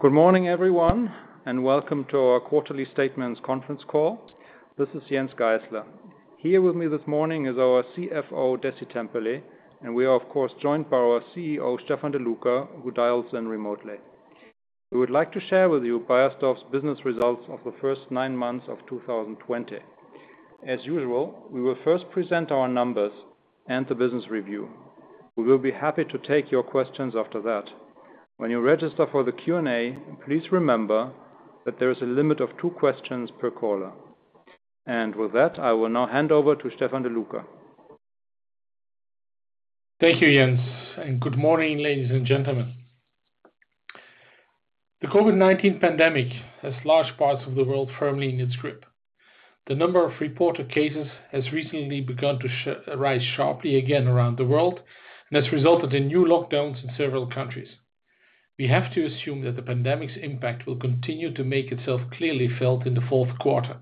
Good morning, everyone, and welcome to our quarterly statements conference call. This is Jens Geissler. Here with me this morning is our CFO, Dessi Temperley, and we are, of course, joined by our CEO, Stefan De Loecker, who dials in remotely. We would like to share with you Beiersdorf's business results of the first nine months of 2020. As usual, we will first present our numbers and the business review. We will be happy to take your questions after that. When you register for the Q&A, please remember that there is a limit of two questions per caller. With that, I will now hand over to Stefan De Loecker. Thank you, Jens, and good morning, ladies and gentlemen. The COVID-19 pandemic has large parts of the world firmly in its grip. The number of reported cases has recently begun to rise sharply again around the world and has resulted in new lockdowns in several countries. We have to assume that the pandemic's impact will continue to make itself clearly felt in the fourth quarter.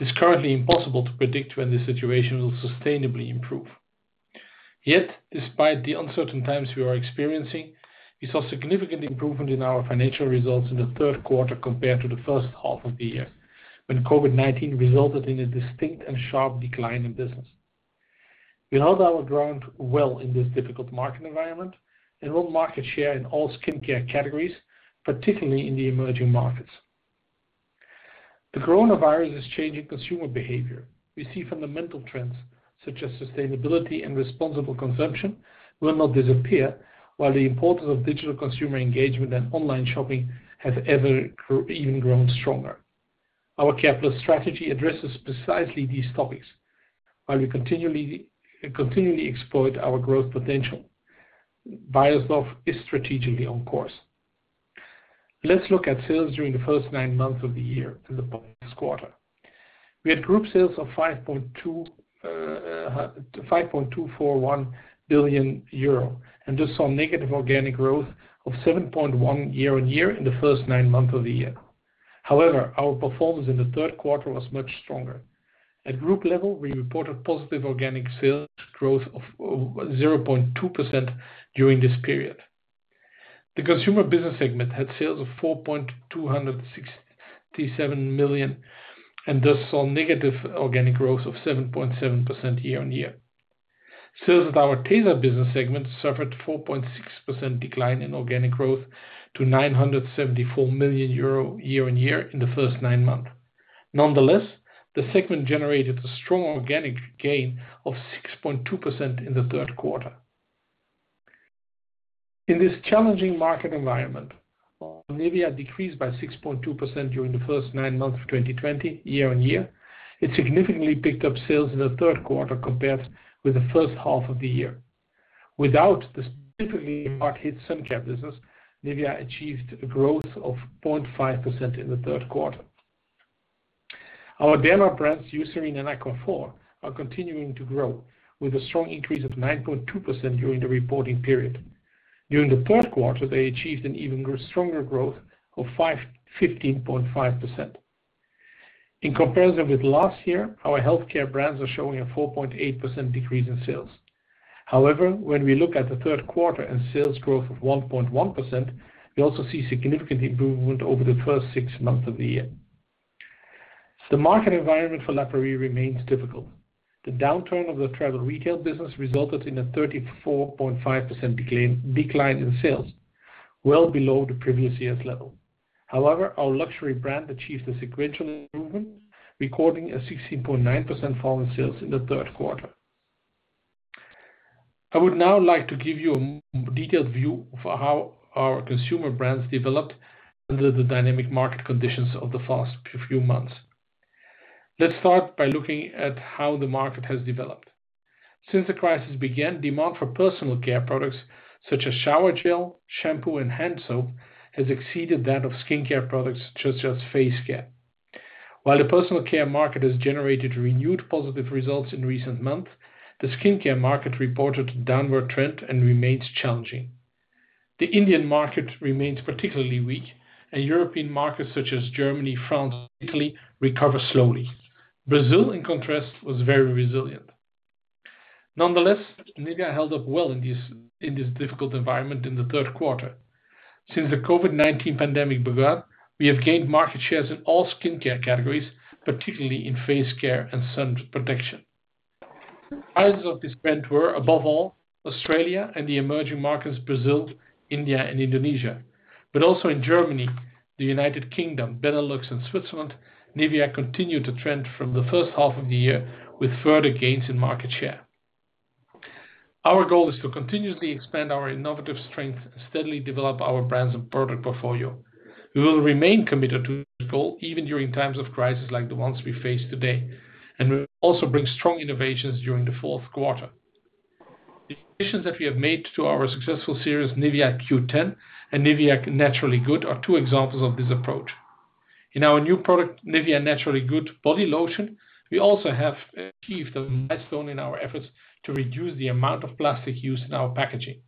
It's currently impossible to predict when the situation will sustainably improve. Yet, despite the uncertain times we are experiencing, we saw significant improvement in our financial results in the third quarter compared to the first half of the year, when COVID-19 resulted in a distinct and sharp decline in business. We held our ground well in this difficult market environment and won market share in all skincare categories, particularly in the emerging markets. The coronavirus is changing consumer behavior. We see fundamental trends such as sustainability and responsible consumption will not disappear, while the importance of digital consumer engagement and online shopping has even grown stronger. Our C.A.R.E.+ strategy addresses precisely these topics, while we continually exploit our growth potential. Beiersdorf is strategically on course. Let's look at sales during the first nine months of the year in the previous quarter. We had group sales of 5.241 billion euro and just saw negative organic growth of 7.1% year-on-year in the first nine months of the year. However, our performance in the third quarter was much stronger. At group level, we reported positive organic sales growth of 0.2% during this period. The consumer business segment had sales of 4.267 billion and thus saw negative organic growth of 7.7% year-on-year. Sales at our tesa business segment suffered 4.6% decline in organic growth to 974 million euro year-on-year in the first nine months. Nonetheless, the segment generated a strong organic gain of 6.2% in the third quarter. In this challenging market environment, NIVEA decreased by 6.2% during the first nine months of 2020 year-on-year. It significantly picked up sales in the third quarter compared with the first half of the year. Without the specifically hard-hit sun care business, NIVEA achieved a growth of 0.5% in the third quarter. Our derma brands, Eucerin and Aquaphor, are continuing to grow with a strong increase of 9.2% during the reporting period. During the fourth quarter, they achieved an even stronger growth of 15.5%. In comparison with last year, our healthcare brands are showing a 4.8% decrease in sales. When we look at the third quarter and sales growth of 1.1%, we also see significant improvement over the first six months of the year. The market environment for La Prairie remains difficult. The downturn of the travel retail business resulted in a 34.5% decline in sales, well below the previous year's level. Our luxury brand achieved a sequential improvement, recording a 16.9% fall in sales in the third quarter. I would now like to give you a detailed view for how our consumer brands developed under the dynamic market conditions of the past few months. Let's start by looking at how the market has developed. Since the crisis began, demand for personal care products such as shower gel, shampoo, and hand soap has exceeded that of skincare products such as face care. While the personal care market has generated renewed positive results in recent months, the skincare market reported a downward trend and remains challenging. The Indian market remains particularly weak. European markets such as Germany, France, Italy, recover slowly. Brazil, in contrast, was very resilient. Nonetheless, NIVEA held up well in this difficult environment in the third quarter. Since the COVID-19 pandemic began, we have gained market shares in all skincare categories, particularly in face care and sun protection. Kinds of this [inaudible] above all Australia and the emerging markets Brazil, India, and Indonesia. Also in Germany, the U.K., Benelux, and Switzerland, NIVEA continued to trend from the first half of the year with further gains in market share. Our goal is to continuously expand our innovative strength and steadily develop our brands and product portfolio. We will remain committed to this goal even during times of crisis like the ones we face today, and we will also bring strong innovations during the fourth quarter. Decisions that we have made to our successful series, NIVEA Q10 and NIVEA Naturally Good, are two examples of this approach. In our new product, NIVEA Naturally Good body lotion, we also have achieved a milestone in our efforts to reduce the amount of plastic used in our packaging.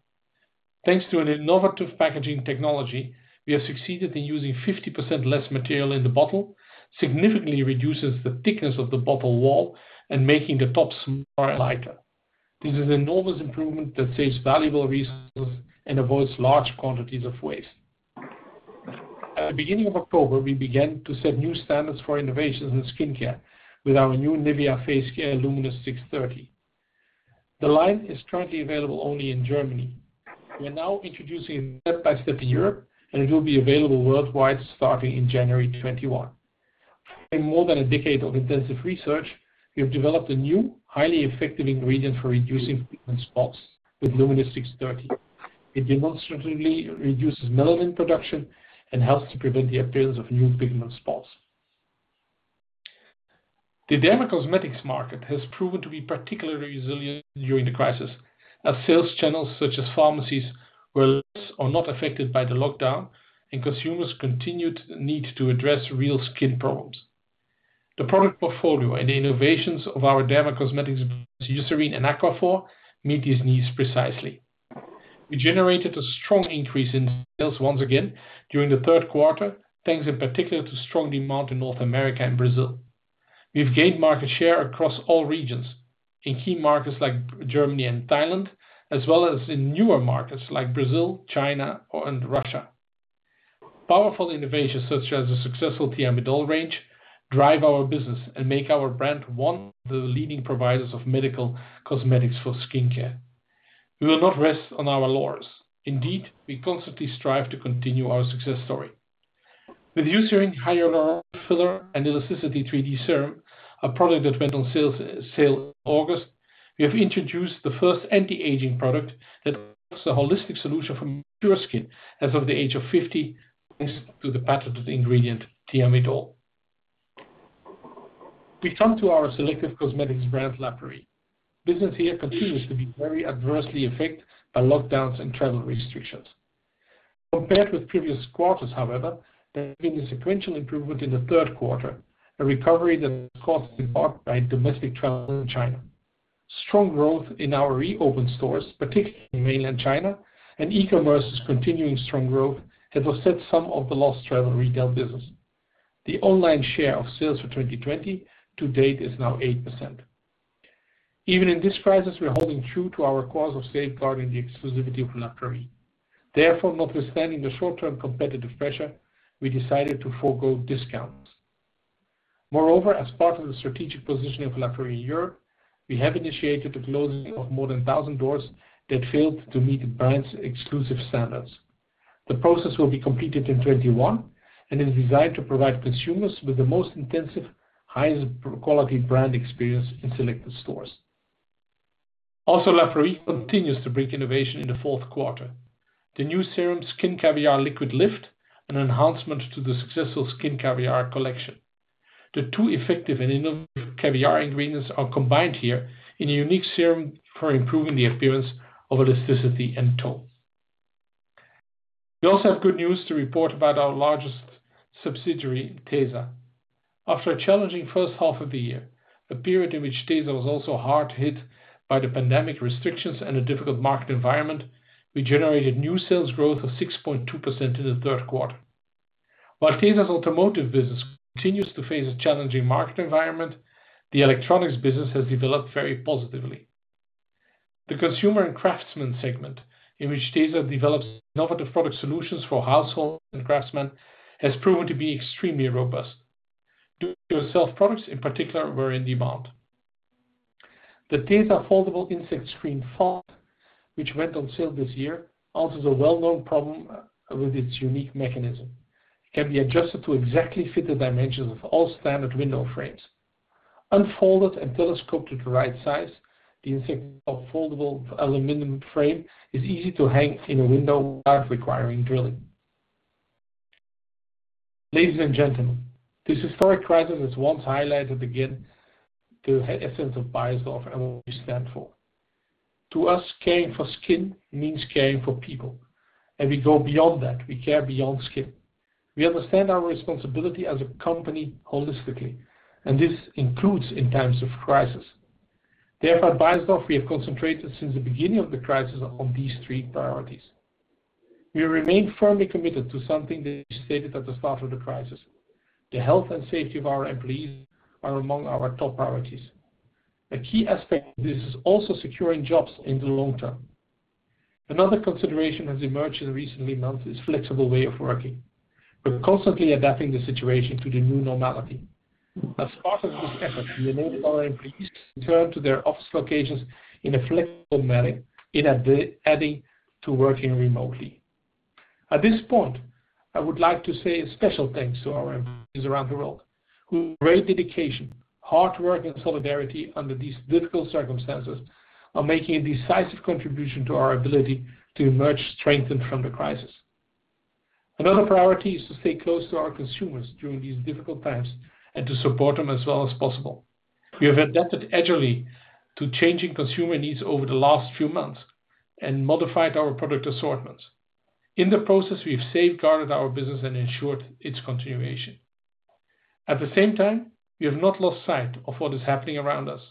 Thanks to an innovative packaging technology, we have succeeded in using 50% less material in the bottle, significantly reduces the thickness of the bottle wall and making the top smaller and lighter. This is an enormous improvement that saves valuable resources and avoids large quantities of waste. At the beginning of October, we began to set new standards for innovations in skincare with our new NIVEA face care LUMINOUS630. The line is currently available only in Germany. We are now introducing step by step in Europe, and it will be available worldwide starting in January 2021. In more than a decade of intensive research, we have developed a new, highly effective ingredient for reducing pigment spots with LUMINOUS630. It demonstratively reduces melanin production and helps to prevent the appearance of new pigment spots. The dermacosmetics market has proven to be particularly resilient during the crisis, as sales channels such as pharmacies were less or not affected by the lockdown and consumers continued need to address real skin problems. The product portfolio and the innovations of our dermacosmetics, Eucerin and Aquaphor, meet these needs precisely. We generated a strong increase in sales once again during the third quarter, thanks in particular to strong demand in North America and Brazil. We've gained market share across all regions, in key markets like Germany and Thailand, as well as in newer markets like Brazil, China, and Russia. Powerful innovations such as the successful Thiamidol range drive our business and make our brand one of the leading providers of medical cosmetics for skincare. We will not rest on our laurels. Indeed, we constantly strive to continue our success story. With Eucerin Hyaluron-Filler + Elasticity 3D Serum, a product that went on sale in August, we have introduced the first anti-aging product that offers a holistic solution for mature skin as of the age of 50, thanks to the patented ingredient Thiamidol. We come to our selective cosmetics brand, La Prairie. Business here continues to be very adversely affected by lockdowns and travel restrictions. Compared with previous quarters, however, there has been a sequential improvement in the third quarter, a recovery that was caused in part by domestic travel in China. Strong growth in our reopened stores, particularly in mainland China, and e-commerce's continuing strong growth have offset some of the lost travel retail business. The online share of sales for 2020 to date is now 8%. Even in this crisis, we are holding true to our cause of safeguarding the exclusivity of La Prairie. Therefore, notwithstanding the short-term competitive pressure, we decided to forgo discounts. Moreover, as part of the strategic positioning of La Prairie Europe, we have initiated the closing of more than 1,000 doors that failed to meet the brand's exclusive standards. The process will be completed in 2021 and is designed to provide consumers with the most intensive, highest quality brand experience in selected stores. La Prairie continues to bring innovation in the fourth quarter. The new serum, Skin Caviar Liquid Lift, an enhancement to the successful Skin Caviar collection. The two effective and innovative caviar ingredients are combined here in a unique serum for improving the appearance of elasticity and tone. We also have good news to report about our largest subsidiary, tesa. After a challenging first half of the year, a period in which tesa was also hard hit by the pandemic restrictions and a difficult market environment, we generated new sales growth of 6.2% in the third quarter. While tesa's automotive business continues to face a challenging market environment, the electronics business has developed very positively. The consumer and craftsman segment, in which tesa develops innovative product solutions for households and craftsmen, has proven to be extremely robust. Do-it-yourself products, in particular, were in demand. The tesa Foldable Insect Screen, which went on sale this year, answers a well-known problem with its unique mechanism. It can be adjusted to exactly fit the dimensions of all standard window frames. Unfolded and telescoped to the right size, the insect foldable aluminum frame is easy to hang in a window without requiring drilling. Ladies and gentlemen, this historic crisis has once highlighted again the essence of Beiersdorf and what we stand for. To us, caring for skin means caring for people, and we go beyond that. We care beyond skin. We understand our responsibility as a company holistically, and this includes in times of crisis. Therefore, at Beiersdorf, we have concentrated since the beginning of the crisis on these three priorities. We remain firmly committed to something that we stated at the start of the crisis. The health and safety of our employees are among our top priorities. A key aspect of this is also securing jobs in the long term. Another consideration has emerged in recent months is flexible way of working. We're constantly adapting the situation to the new normality. As part of this effort, we enable our employees to return to their office locations in a flexible manner in addition to working remotely. At this point, I would like to say a special thanks to our employees around the world, whose great dedication, hard work, and solidarity under these difficult circumstances are making a decisive contribution to our ability to emerge strengthened from the crisis. Another priority is to stay close to our consumers during these difficult times and to support them as well as possible. We have adapted agilely to changing consumer needs over the last few months and modified our product assortments. In the process, we've safeguarded our business and ensured its continuation. At the same time, we have not lost sight of what is happening around us.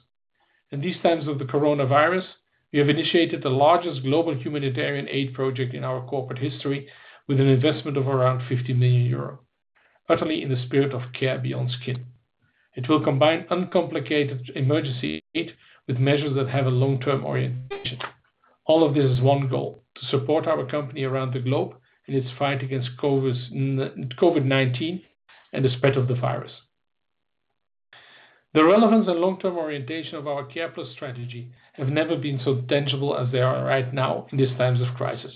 In these times of the coronavirus, we have initiated the largest global humanitarian aid project in our corporate history with an investment of around 50 million euro. Utterly in the spirit of care beyond skin. It will combine uncomplicated emergency aid with measures that have a long-term orientation. All of this has one goal, to support our company around the globe in its fight against COVID-19 and the spread of the virus. The relevance and long-term orientation of our C.A.R.E.+ strategy have never been so tangible as they are right now in these times of crisis.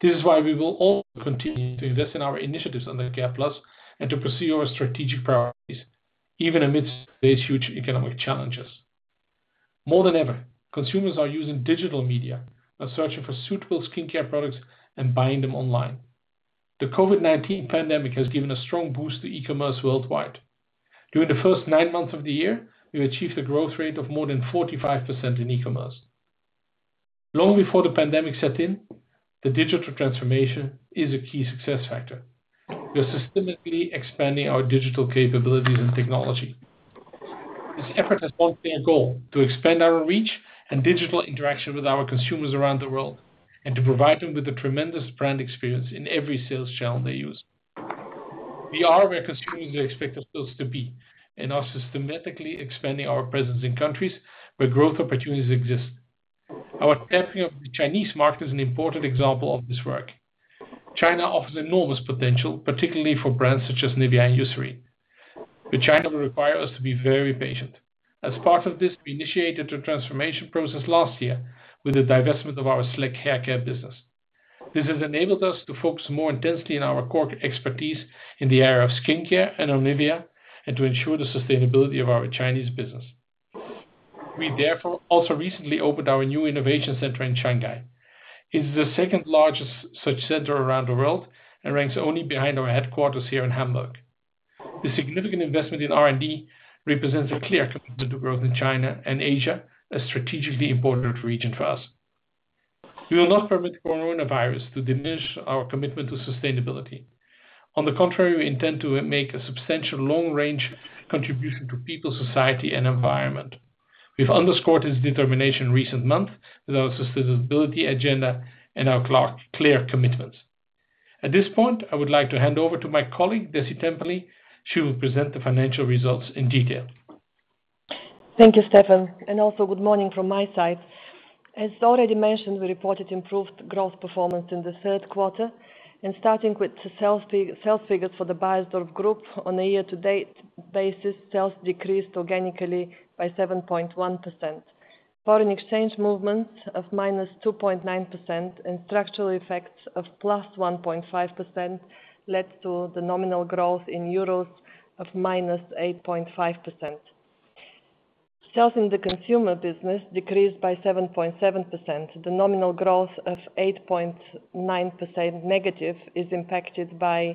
This is why we will all continue to invest in our initiatives under C.A.R.E.+ and to pursue our strategic priorities, even amidst these huge economic challenges. More than ever, consumers are using digital media and searching for suitable skincare products and buying them online. The COVID-19 pandemic has given a strong boost to e-commerce worldwide. During the first nine months of the year, we achieved a growth rate of more than 45% in e-commerce. Long before the pandemic set in, the digital transformation is a key success factor. We are systematically expanding our digital capabilities and technology. This effort has one clear goal, to expand our reach and digital interaction with our consumers around the world, and to provide them with a tremendous brand experience in every sales channel they use. We are where consumers expect us to be and are systematically expanding our presence in countries where growth opportunities exist. Our tapping of the Chinese market is an important example of this work. China offers enormous potential, particularly for brands such as NIVEA and Eucerin. China will require us to be very patient. As part of this, we initiated a transformation process last year with the divestment of our SLEK haircare business. This has enabled us to focus more intensely on our core expertise in the area of skincare and on NIVEA and to ensure the sustainability of our Chinese business. We therefore also recently opened our new innovation center in Shanghai. It's the second-largest such center around the world and ranks only behind our headquarters here in Hamburg. The significant investment in R&D represents a clear commitment to growth in China and Asia, a strategically important region for us. We will not permit COVID-19 to diminish our commitment to sustainability. On the contrary, we intend to make a substantial long-range contribution to people, society, and environment. We've underscored this determination in recent months with our sustainability agenda and our clear commitments. At this point, I would like to hand over to my colleague, Dessi Temperley. She will present the financial results in detail. Thank you, Stefan, also good morning from my side. As already mentioned, we reported improved growth performance in the third quarter. Starting with the sales figures for the Beiersdorf Group on a year-to-date basis, sales decreased organically by 7.1%. Foreign exchange movement of -2.9% and structural effects of +1.5% led to the nominal growth in EUR of -8.5%. Sales in the consumer business decreased by 7.7%. The nominal growth of -8.9% is impacted by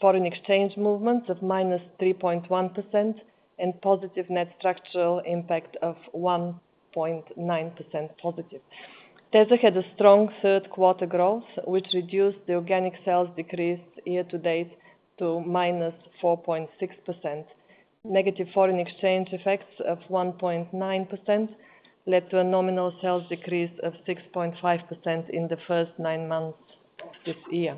foreign exchange movements of -3.1% and positive net structural impact of +1.9%. tesa had a strong third quarter growth, which reduced the organic sales decrease year-to-date to -4.6%. Negative foreign exchange effects of 1.9% led to a nominal sales decrease of 6.5% in the first nine months of this year.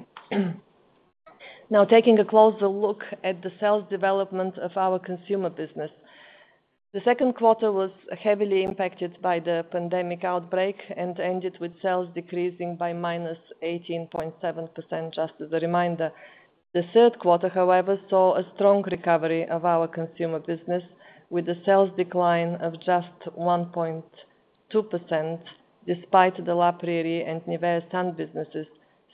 Now, taking a closer look at the sales development of our consumer business. The second quarter was heavily impacted by the pandemic outbreak and ended with sales decreasing by -18.7%, just as a reminder. The third quarter, however, saw a strong recovery of our consumer business with a sales decline of just 1.2%, despite the La Prairie and Nivea Sun businesses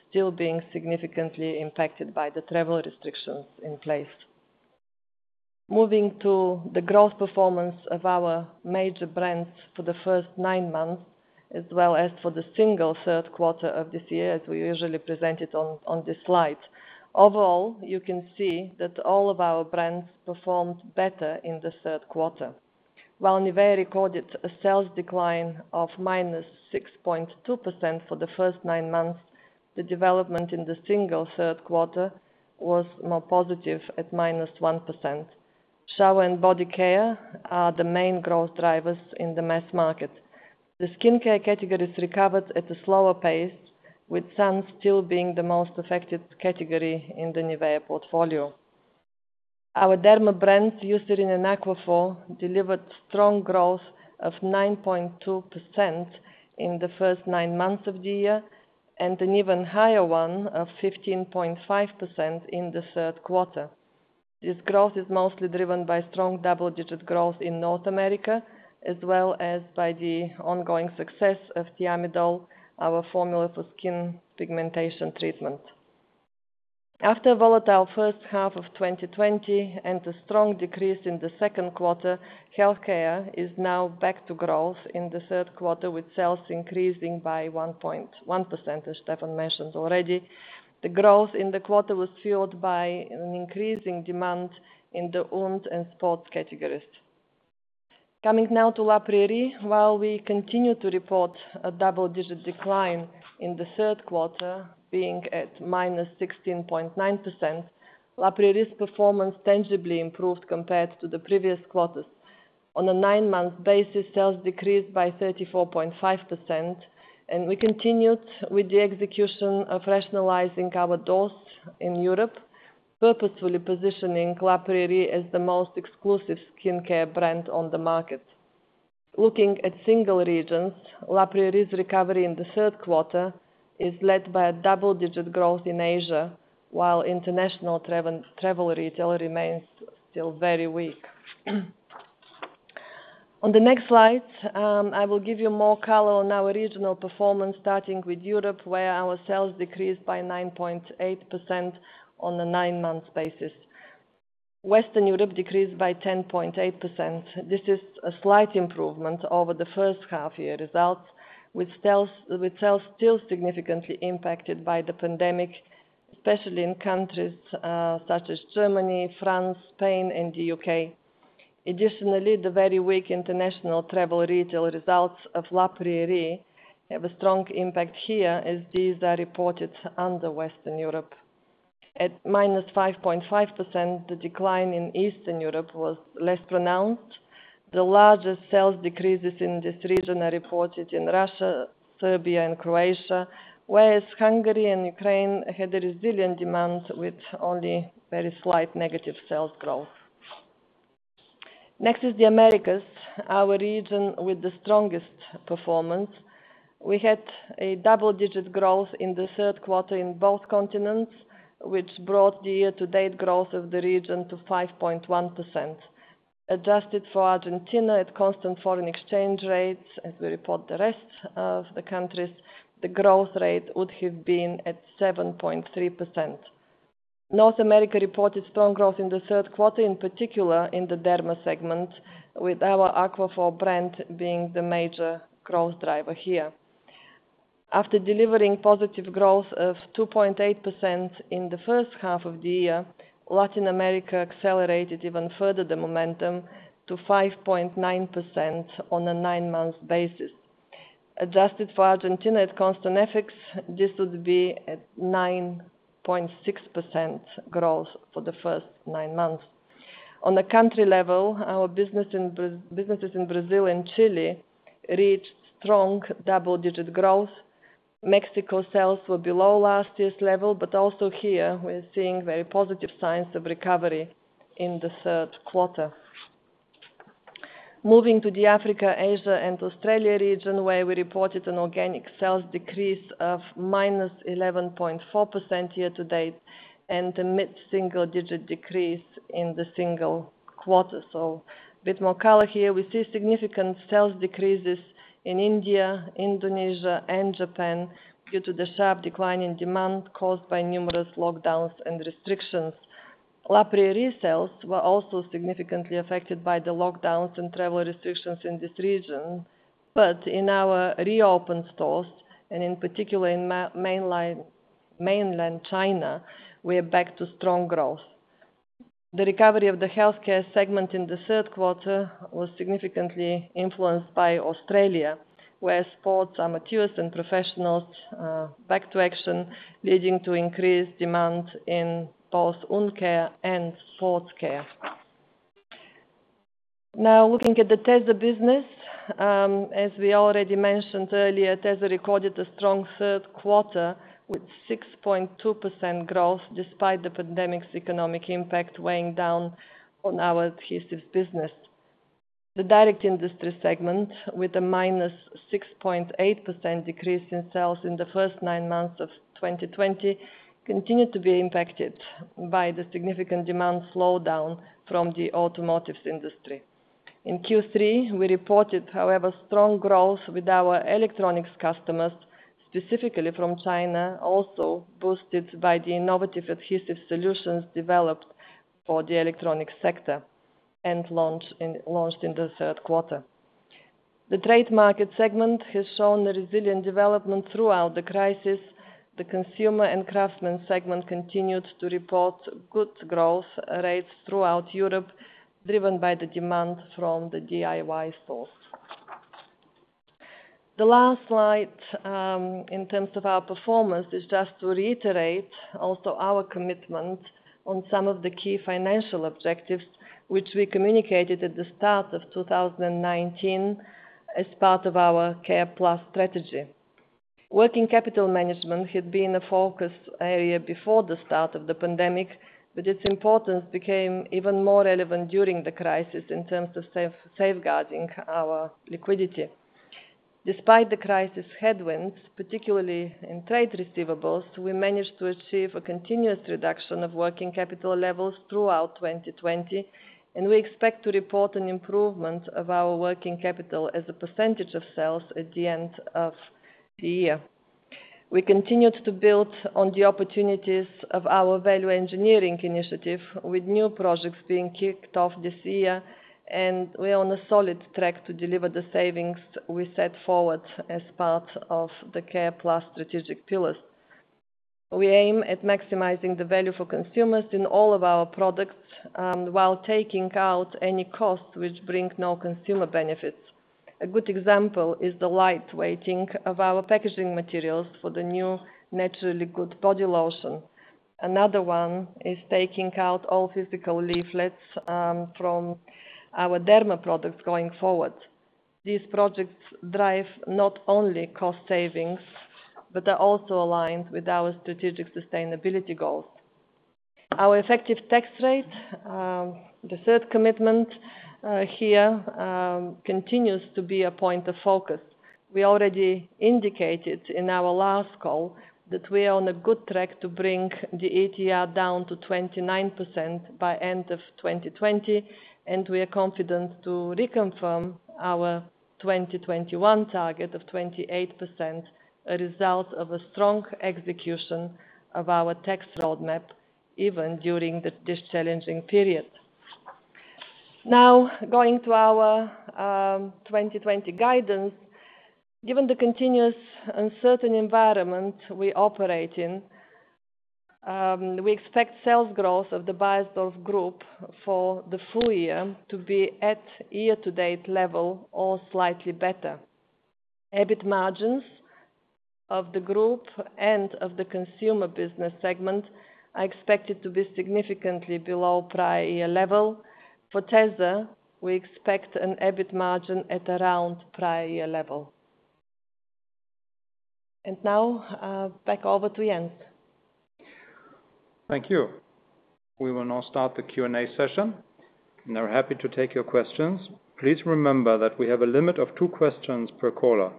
still being significantly impacted by the travel restrictions in place. Moving to the growth performance of our major brands for the first nine months, as well as for the single third quarter of this year, as we usually present it on this slide. Overall, you can see that all of our brands performed better in the third quarter. While NIVEA recorded a sales decline of -6.2% for the first nine months, the development in the single third quarter was more positive, at -1%. Shower and body care are the main growth drivers in the mass market. The skincare categories recovered at a slower pace, with sun still being the most affected category in the NIVEA portfolio. Our derma brands, Eucerin and Aquaphor, delivered strong growth of 9.2% in the first nine months of the year, and an even higher one of 15.5% in the third quarter. This growth is mostly driven by strong double-digit growth in North America, as well as by the ongoing success of Thiamidol, our formula for skin pigmentation treatment. After a volatile first half of 2020 and a strong decrease in the second quarter, healthcare is now back to growth in the third quarter, with sales increasing by 1.1%, as Stefan mentioned already. The growth in the quarter was fueled by an increasing demand in the wounds and sports categories. Coming now to La Prairie. While we continue to report a double-digit decline in the third quarter, being at -16.9%, La Prairie's performance tangibly improved compared to the previous quarters. On a nine-month basis, sales decreased by 34.5%, and we continued with the execution of rationalizing our doors in Europe, purposefully positioning La Prairie as the most exclusive skincare brand on the market. Looking at single regions, La Prairie's recovery in the third quarter is led by a double-digit growth in Asia, while international travel retail remains still very weak. On the next slide, I will give you more color on our regional performance, starting with Europe, where our sales decreased by 9.8% on a nine-month basis. Western Europe decreased by 10.8%. This is a slight improvement over the first half year results, with sales still significantly impacted by the pandemic, especially in countries such as Germany, France, Spain, and the U.K.. Additionally, the very weak international travel retail results of La Prairie have a strong impact here, as these are reported under Western Europe. At -5.5%, the decline in Eastern Europe was less pronounced. The largest sales decreases in this region are reported in Russia, Serbia, and Croatia, whereas Hungary and Ukraine had a resilient demand with only very slight negative sales growth. The Americas, our region with the strongest performance. We had a double-digit growth in the third quarter in both continents, which brought the year-to-date growth of the region to 5.1%. Adjusted for Argentina at constant foreign exchange rates, as we report the rest of the countries, the growth rate would have been at 7.3%. North America reported strong growth in the third quarter, in particular in the Derma segment, with our Aquaphor brand being the major growth driver here. After delivering positive growth of 2.8% in the first half of the year, Latin America accelerated even further the momentum to 5.9% on a nine-month basis. Adjusted for Argentina at constant FX, this would be a 9.6% growth for the first nine months. On a country level, our businesses in Brazil and Chile reached strong double-digit growth. Mexico sales were below last year's level, but also here we're seeing very positive signs of recovery in the third quarter. Moving to the Africa, Asia, and Australia region, where we reported an organic sales decrease of -11.4% year-to-date and a mid-single digit decrease in the single quarter. A bit more color here. We see significant sales decreases in India, Indonesia, and Japan due to the sharp decline in demand caused by numerous lockdowns and restrictions. La Prairie sales were also significantly affected by the lockdowns and travel restrictions in this region, but in our reopened stores, and in particular in Mainland China, we are back to strong growth. The recovery of the healthcare segment in the third quarter was significantly influenced by Australia, where sports amateurs and professionals back to action, leading to increased demand in both wound care and sports care. Looking at the tesa business. As we already mentioned earlier, tesa recorded a strong third quarter with 6.2% growth, despite the pandemic's economic impact weighing down on our adhesives business. The direct industry segment, with a -6.8% decrease in sales in the first nine months of 2020, continued to be impacted by the significant demand slowdown from the automotives industry. In Q3, we reported, however, strong growth with our electronics customers, specifically from China, also boosted by the innovative adhesive solutions developed for the electronic sector and launched in the third quarter. The trade market segment has shown a resilient development throughout the crisis. The consumer and craftsman segment continued to report good growth rates throughout Europe, driven by the demand from the DIY stores. The last slide, in terms of our performance, is just to reiterate also our commitment on some of the key financial objectives which we communicated at the start of 2019 as part of our C.A.R.E.+ strategy. Working capital management had been a focus area before the start of the pandemic, but its importance became even more relevant during the crisis in terms of safeguarding our liquidity. Despite the crisis headwinds, particularly in trade receivables, we managed to achieve a continuous reduction of working capital levels throughout 2020, and we expect to report an improvement of our working capital as a percentage of sales at the end of the year. We continued to build on the opportunities of our value engineering initiative with new projects being kicked off this year, and we are on a solid track to deliver the savings we set forward as part of the C.A.R.E.+ strategic pillars. We aim at maximizing the value for consumers in all of our products, while taking out any costs which bring no consumer benefits. A good example is the lightweighting of our packaging materials for the new Naturally Good body lotion. Another one is taking out all physical leaflets from our derma products going forward. These projects drive not only cost savings, but are also aligned with our strategic sustainability goals. Our Effective Tax Rate, the third commitment here, continues to be a point of focus. We already indicated in our last call that we are on a good track to bring the ETR down to 29% by end of 2020, and we are confident to reconfirm our 2021 target of 28%, a result of a strong execution of our tax roadmap, even during this challenging period. Now, going to our 2020 guidance. Given the continuous uncertain environment we operate in, we expect sales growth of the Beiersdorf Group for the full year to be at year-to-date level or slightly better. EBIT margins of the Group and of the Consumer business segment are expected to be significantly below prior-year level. For tesa, we expect an EBIT margin at around prior-year level. Now, back over to Jens. Thank you. We will now start the Q&A session and are happy to take your questions. Please remember that we have a limit of two questions per caller.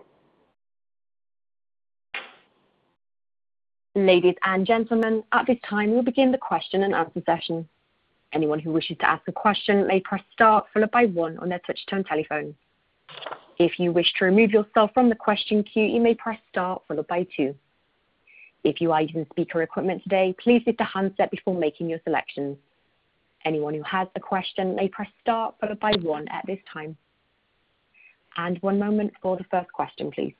Ladies and gentlemen, at this time, we'll begin the question and answer session. Anyone who wishes to ask a question may press star followed by one on their touch tone telephone. If you wish to remove yourself from the question queue, you may press star followed by two. If you are using speaker equipment today, please leave the hands up before making your selections. Anyone who has a question may press star followed by one at this time. And, one moment for the first question, please.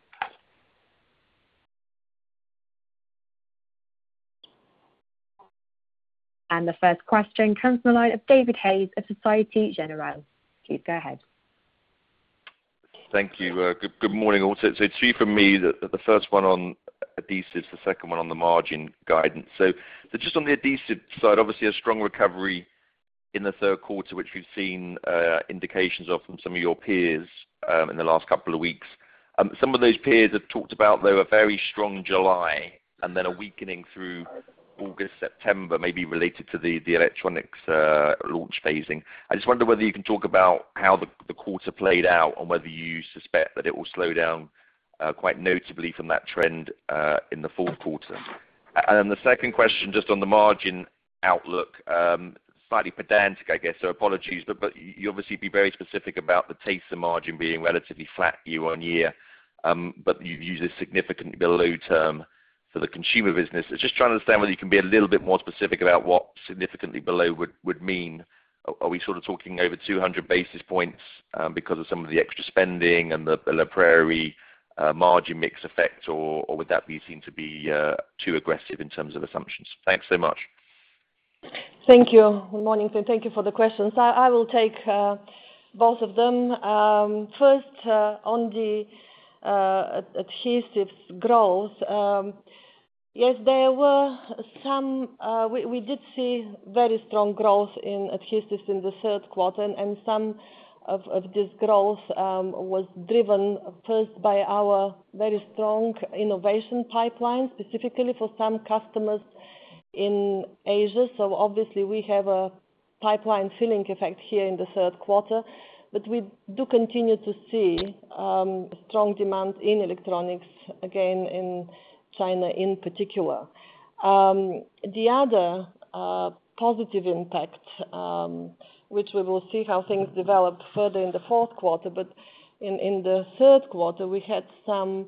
The first question comes from the line of David Hayes of Société Générale. Please go ahead. Thank you. Good morning, all. It's three from me. The first one on adhesives, the second one on the margin guidance. Just on the adhesive side, obviously a strong recovery in the third quarter, which we've seen indications of from some of your peers in the last couple of weeks. Some of those peers have talked about, though, a very strong July and then a weakening through August, September, maybe related to the electronics launch phasing. I just wonder whether you can talk about how the quarter played out or whether you suspect that it will slow down quite notably from that trend in the fourth quarter? The second question, just on the margin outlook. Slightly pedantic, I guess. Apologies, but you obviously be very specific about the tesa margin being relatively flat year-on-year. You've used this significantly below term for the consumer business. I was just trying to understand whether you can be a little bit more specific about what significantly below would mean. Are we sort of talking over 200 basis points because of some of the extra spending and the La Prairie margin mix effect, or would that be seen to be too aggressive in terms of assumptions? Thanks so much. Thank you. Good morning. Thank you for the questions. I will take both of them. First, on the adhesives growth. Yes, we did see very strong growth in adhesives in the third quarter, and some of this growth was driven first by our very strong innovation pipeline, specifically for some customers in Asia. Obviously we have a pipeline filling effect here in the third quarter, but we do continue to see strong demand in electronics, again in China in particular. The other positive impact, which we will see how things develop further in the fourth quarter, but in the third quarter, we had some,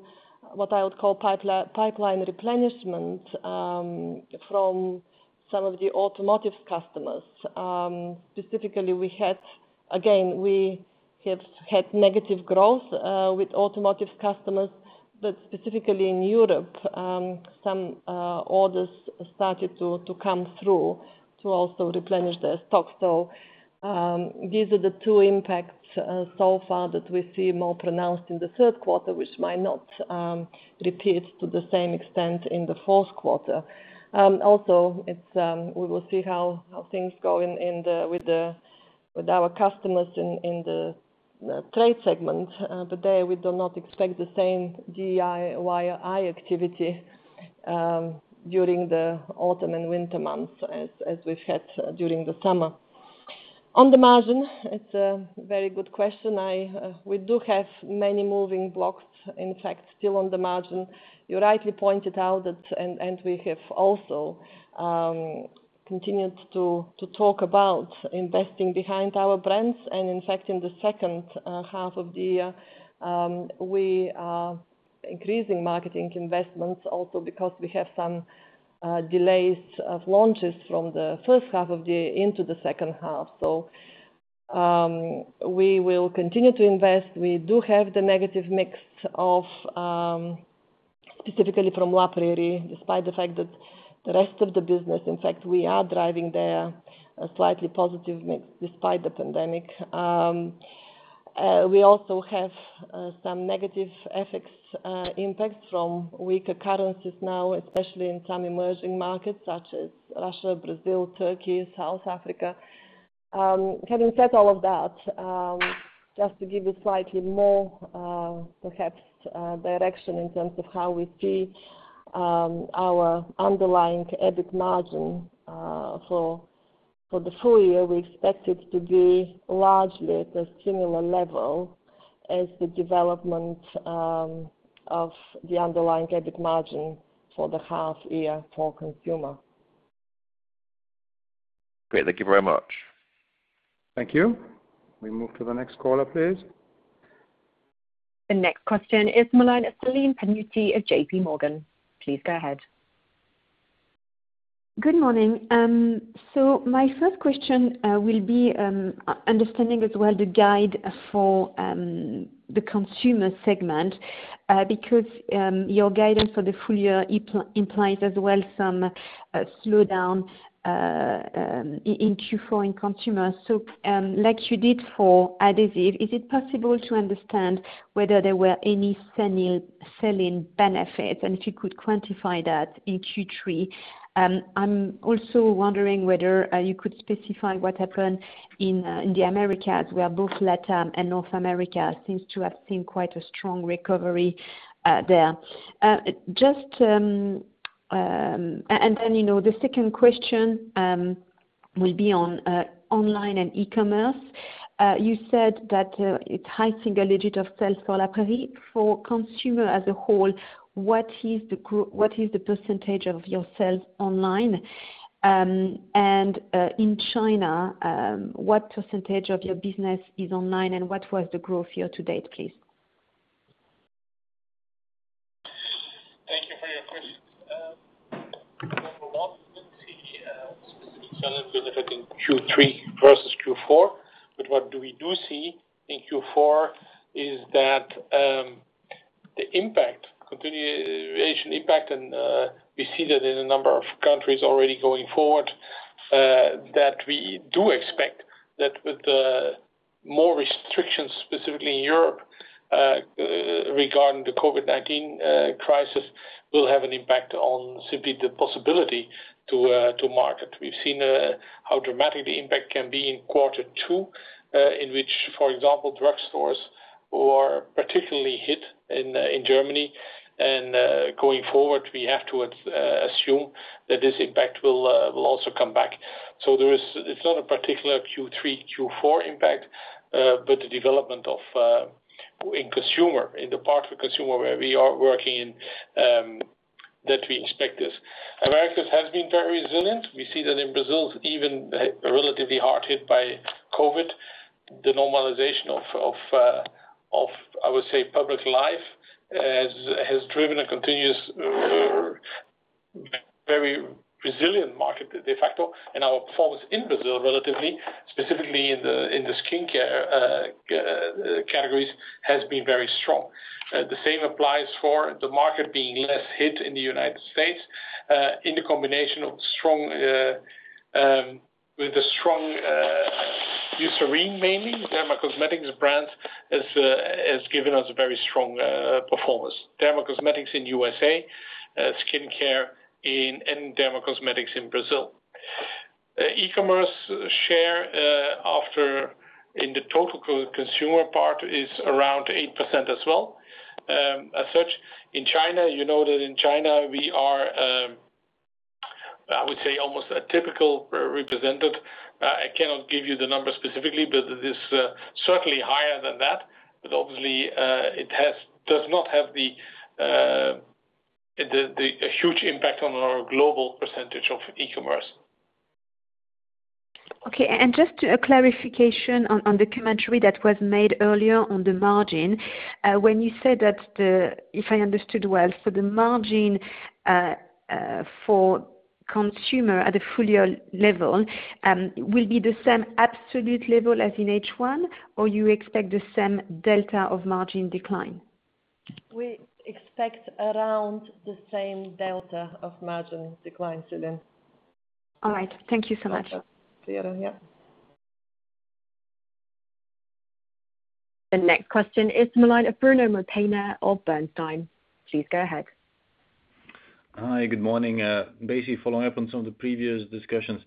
what I would call pipeline replenishment from some of the automotive customers. Specifically, again, we have had negative growth with automotive customers, but specifically in Europe some orders started to come through to also replenish their stock. These are the two impacts so far that we see more pronounced in the third quarter, which might not repeat to the same extent in the fourth quarter. Also, we will see how things go with our customers in the trade segment. Today, we do not expect the same DIY activity during the autumn and winter months as we've had during the summer. On the margin, it's a very good question. We do have many moving blocks, in fact, still on the margin. You rightly pointed out that, and we have also continued to talk about investing behind our brands, and in fact, in the second half of the year, we are increasing marketing investments also because we have some delays of launches from the first half of the year into the second half. We will continue to invest. We do have the negative mix of, specifically from La Prairie, despite the fact that the rest of the business, in fact, we are driving there slightly positive despite the pandemic. We also have some negative FX impact from weaker currencies now, especially in some emerging markets such as Russia, Brazil, Turkey, South Africa. Having said all of that, just to give you slightly more perhaps direction in terms of how we see our underlying EBIT margin. For the full year, we expect it to be largely at a similar level as the development of the underlying EBIT margin for the half-year for consumer. Great. Thank you very much. Thank you. We move to the next caller, please. The next question is from the line of Celine Pannuti of JPMorgan. Please go ahead. Good morning. My first question will be understanding as well the guide for the consumer segment, because your guidance for the full year implies as well some slowdown in Q4 in consumer. Like you did for adhesive, is it possible to understand whether there were any selling benefits and if you could quantify that in Q3? I'm also wondering whether you could specify what happened in the Americas, where both LatAm and North America seems to have seen quite a strong recovery there. The second question will be on online and e-commerce. You said that it's high single digit of sales for La Prairie. For consumer as a whole, what is the percentage of your sales online? In China, what percentage of your business is online and what was the growth year to date, please? Thank you for your question. We don't see a specific selling benefit in Q3 versus Q4. What we do see in Q4 is that the continuation impact, and we see that in a number of countries already going forward, that we do expect that with the more restrictions, specifically in Europe, regarding the COVID-19 crisis, will have an impact on simply the possibility to market. We've seen how dramatic the impact can be in quarter two, in which, for example, drug stores were particularly hit in Germany. Going forward, we have to assume that this impact will also come back. It's not a particular Q3, Q4 impact, but the development in the part of consumer where we are working in, that we expect this. Americas has been very resilient. We see that in Brazil, even relatively hard hit by COVID, the normalization of, I would say, public life has driven a continuous, very resilient market de facto. Our performance in Brazil, relatively, specifically in the skincare categories, has been very strong. The same applies for the market being less hit in the United States. In the combination with the strong Eucerin, mainly, dermacosmetics brand, has given us a very strong performance. Dermacosmetics in U.S.A., skincare and dermacosmetics in Brazil. E-commerce share in the total consumer part is around 8% as well. In China, you know that in China we are, I would say, almost a typical represented. I cannot give you the number specifically, it is certainly higher than that. Obviously, it does not have a huge impact on our global percentage of e-commerce. Okay, just a clarification on the commentary that was made earlier on the margin. When you said that, if I understood well, for the margin for consumer at a full year level will be the same absolute level as in H1, or you expect the same delta of margin decline? We expect around the same delta of margin decline, Celine. All right. Thank you so much. Year-on-year. The next question is the line of Bruno Monteyne of Bernstein. Please go ahead. Hi. Good morning. Basically following up on some of the previous discussions.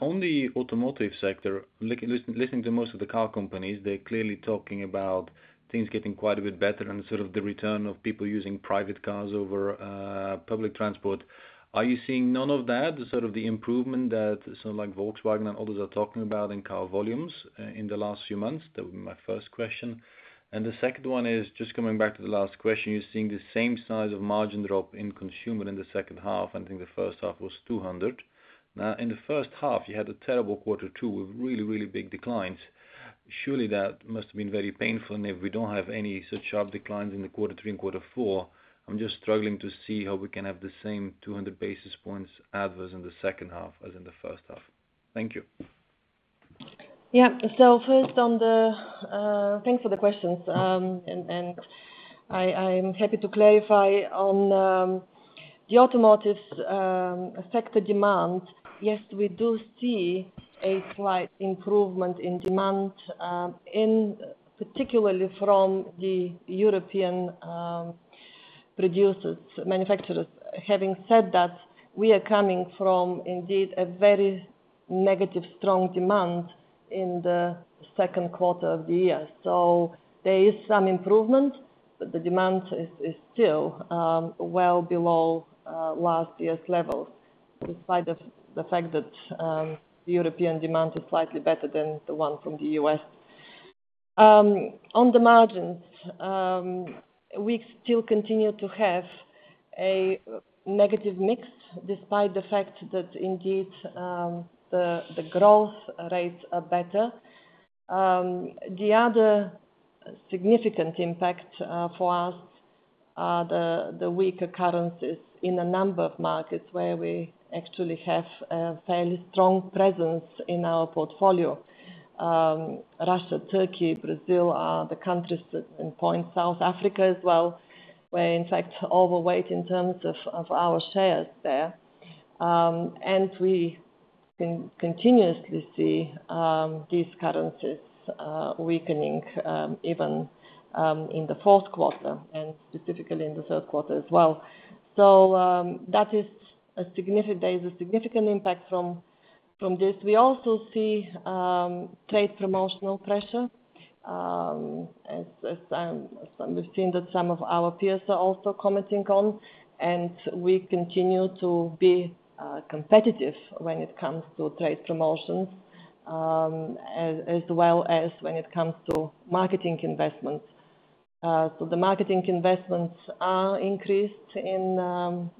On the automotive sector, listening to most of the car companies, they're clearly talking about things getting quite a bit better and sort of the return of people using private cars over public transport. Are you seeing none of that, sort of the improvement that some, like Volkswagen and others, are talking about in car volumes in the last few months? That would be my first question. The second one is just coming back to the last question, you're seeing the same size of margin drop in consumer in the second half. I think the first half was 200. Now, in the first half, you had a terrible quarter two with really, really big declines. Surely that must have been very painful. If we don't have any such sharp declines in the quarter three and quarter four, I'm just struggling to see how we can have the same 200 basis points adverse in the second half as in the first half. Thank you. Yeah. Thanks for the questions. I am happy to clarify on the automotive affected demand. Yes, we do see a slight improvement in demand, particularly from the European producers, manufacturers. Having said that, we are coming from indeed a very negative strong demand in the second quarter of the year. There is some improvement, but the demand is still well below last year's levels, despite the fact that European demand is slightly better than the one from the U.S.. On the margins, we still continue to have a negative mix, despite the fact that indeed the growth rates are better. The other significant impact for us are the weaker currencies in a number of markets where we actually have a fairly strong presence in our portfolio. Russia, Turkey, Brazil are the countries in point, South Africa as well, where in fact, overweight in terms of our shares there. We continuously see these currencies weakening, even in the fourth quarter and specifically in the third quarter as well. There is a significant impact from this. We also see trade promotional pressure, as we've seen that some of our peers are also commenting on, and we continue to be competitive when it comes to trade promotions, as well as when it comes to marketing investments. The marketing investments are increased in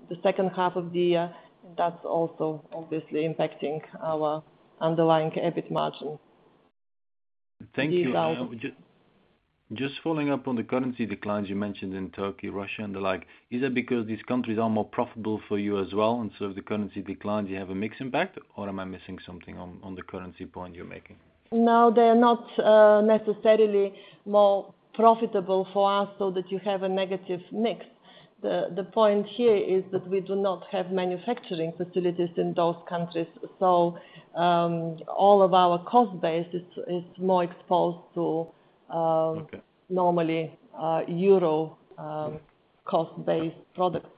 the second half of the year. That's also obviously impacting our underlying EBIT margin. Thank you. Just following up on the currency declines you mentioned in Turkey, Russia, and the like, is that because these countries are more profitable for you as well, and so if the currency declines, you have a mix impact? Am I missing something on the currency point you're making? No, they're not necessarily more profitable for us so that you have a negative mix. The point here is that we do not have manufacturing facilities in those countries. All of our cost base is more exposed to— Okay. normally euro cost-based products.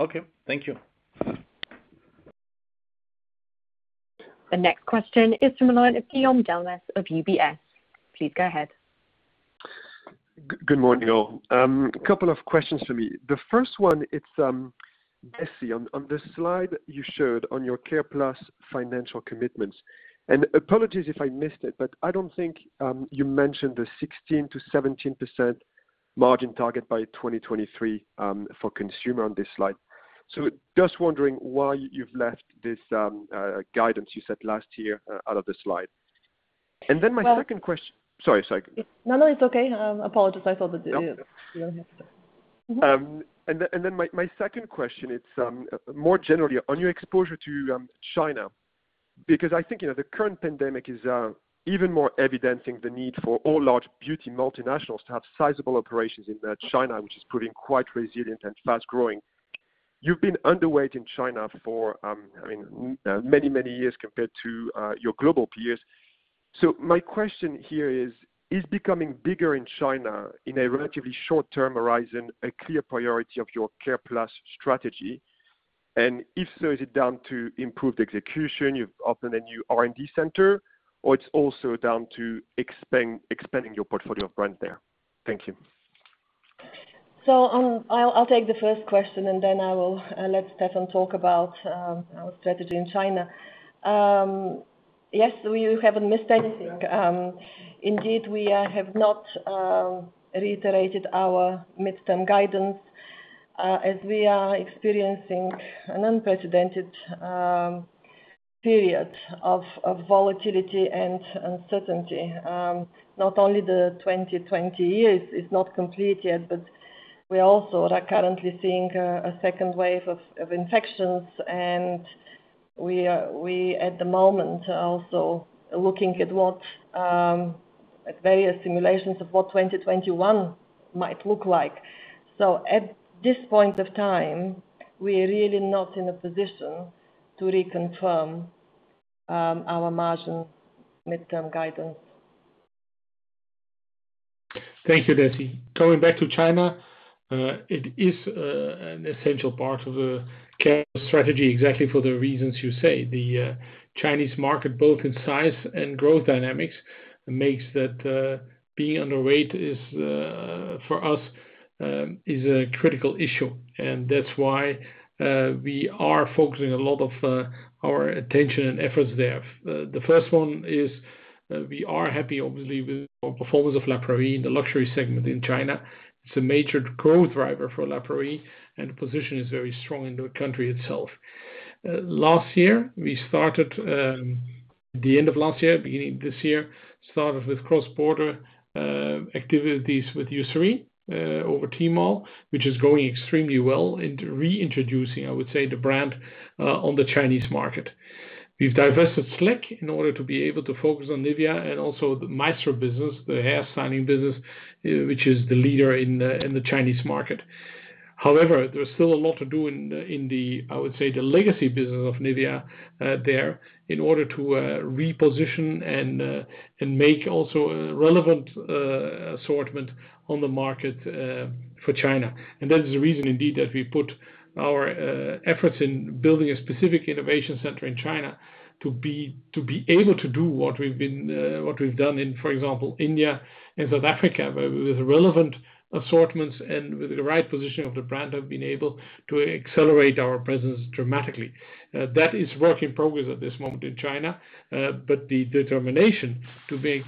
Okay. Thank you. The next question is from the line of Guillaume Delmas of UBS. Please go ahead. Good morning, all. Couple of questions for me. The first one, Dessi, on the slide you showed on your C.A.R.E.+ financial commitments. Apologies if I missed it, but I don't think you mentioned the 16%-17% margin target by 2023 for consumer on this slide. Just wondering why you've left this guidance you set last year out of the slide. My second question. Sorry. No, it's okay. Apologies. I thought that you were done. My second question, it's more generally on your exposure to China, because I think the current pandemic is even more evidencing the need for all large beauty multinationals to have sizable operations in China, which is proving quite resilient and fast-growing. You've been underweight in China for many, many years compared to your global peers. My question here is becoming bigger in China in a relatively short-term horizon, a clear priority of your C.A.R.E.+ strategy? If so, is it down to improved execution, you've opened a new R&D center, or it's also down to expanding your portfolio of brands there? Thank you. I'll take the first question, and then I will let Stefan talk about our strategy in China. Yes, you haven't missed anything. Indeed, we have not reiterated our midterm guidance, as we are experiencing an unprecedented period of volatility and uncertainty. Not only the 2020 year is not complete yet, but we also are currently seeing a second wave of infections, and we at the moment are also looking at various simulations of what 2021 might look like. At this point of time, we are really not in a position to reconfirm our margin midterm guidance. Thank you, Dessi. Coming back to China, it is an essential part of the C.A.R.E.+ strategy exactly for the reasons you say. The Chinese market, both in size and growth dynamics, makes that being underweight for us is a critical issue, and that's why we are focusing a lot of our attention and efforts there. The first one is we are happy, obviously, with our performance of La Prairie in the luxury segment in China. It's a major growth driver for La Prairie, and the position is very strong in the country itself. The end of last year, beginning of this year, started with cross-border activities with Eucerin over Tmall, which is going extremely well in reintroducing, I would say, the brand on the Chinese market. We've divested SLEK in order to be able to focus on NIVEA and also the Maestro business, the hair styling business, which is the leader in the Chinese market. However, there's still a lot to do in the legacy business of NIVEA there in order to reposition and make also a relevant assortment on the market for China. That is the reason indeed, that we put our efforts in building a specific innovation center in China to be able to do what we've done in, for example, India and South Africa, where with relevant assortments and with the right position of the brand, have been able to accelerate our presence dramatically. That is work in progress at this moment in China, but the determination to make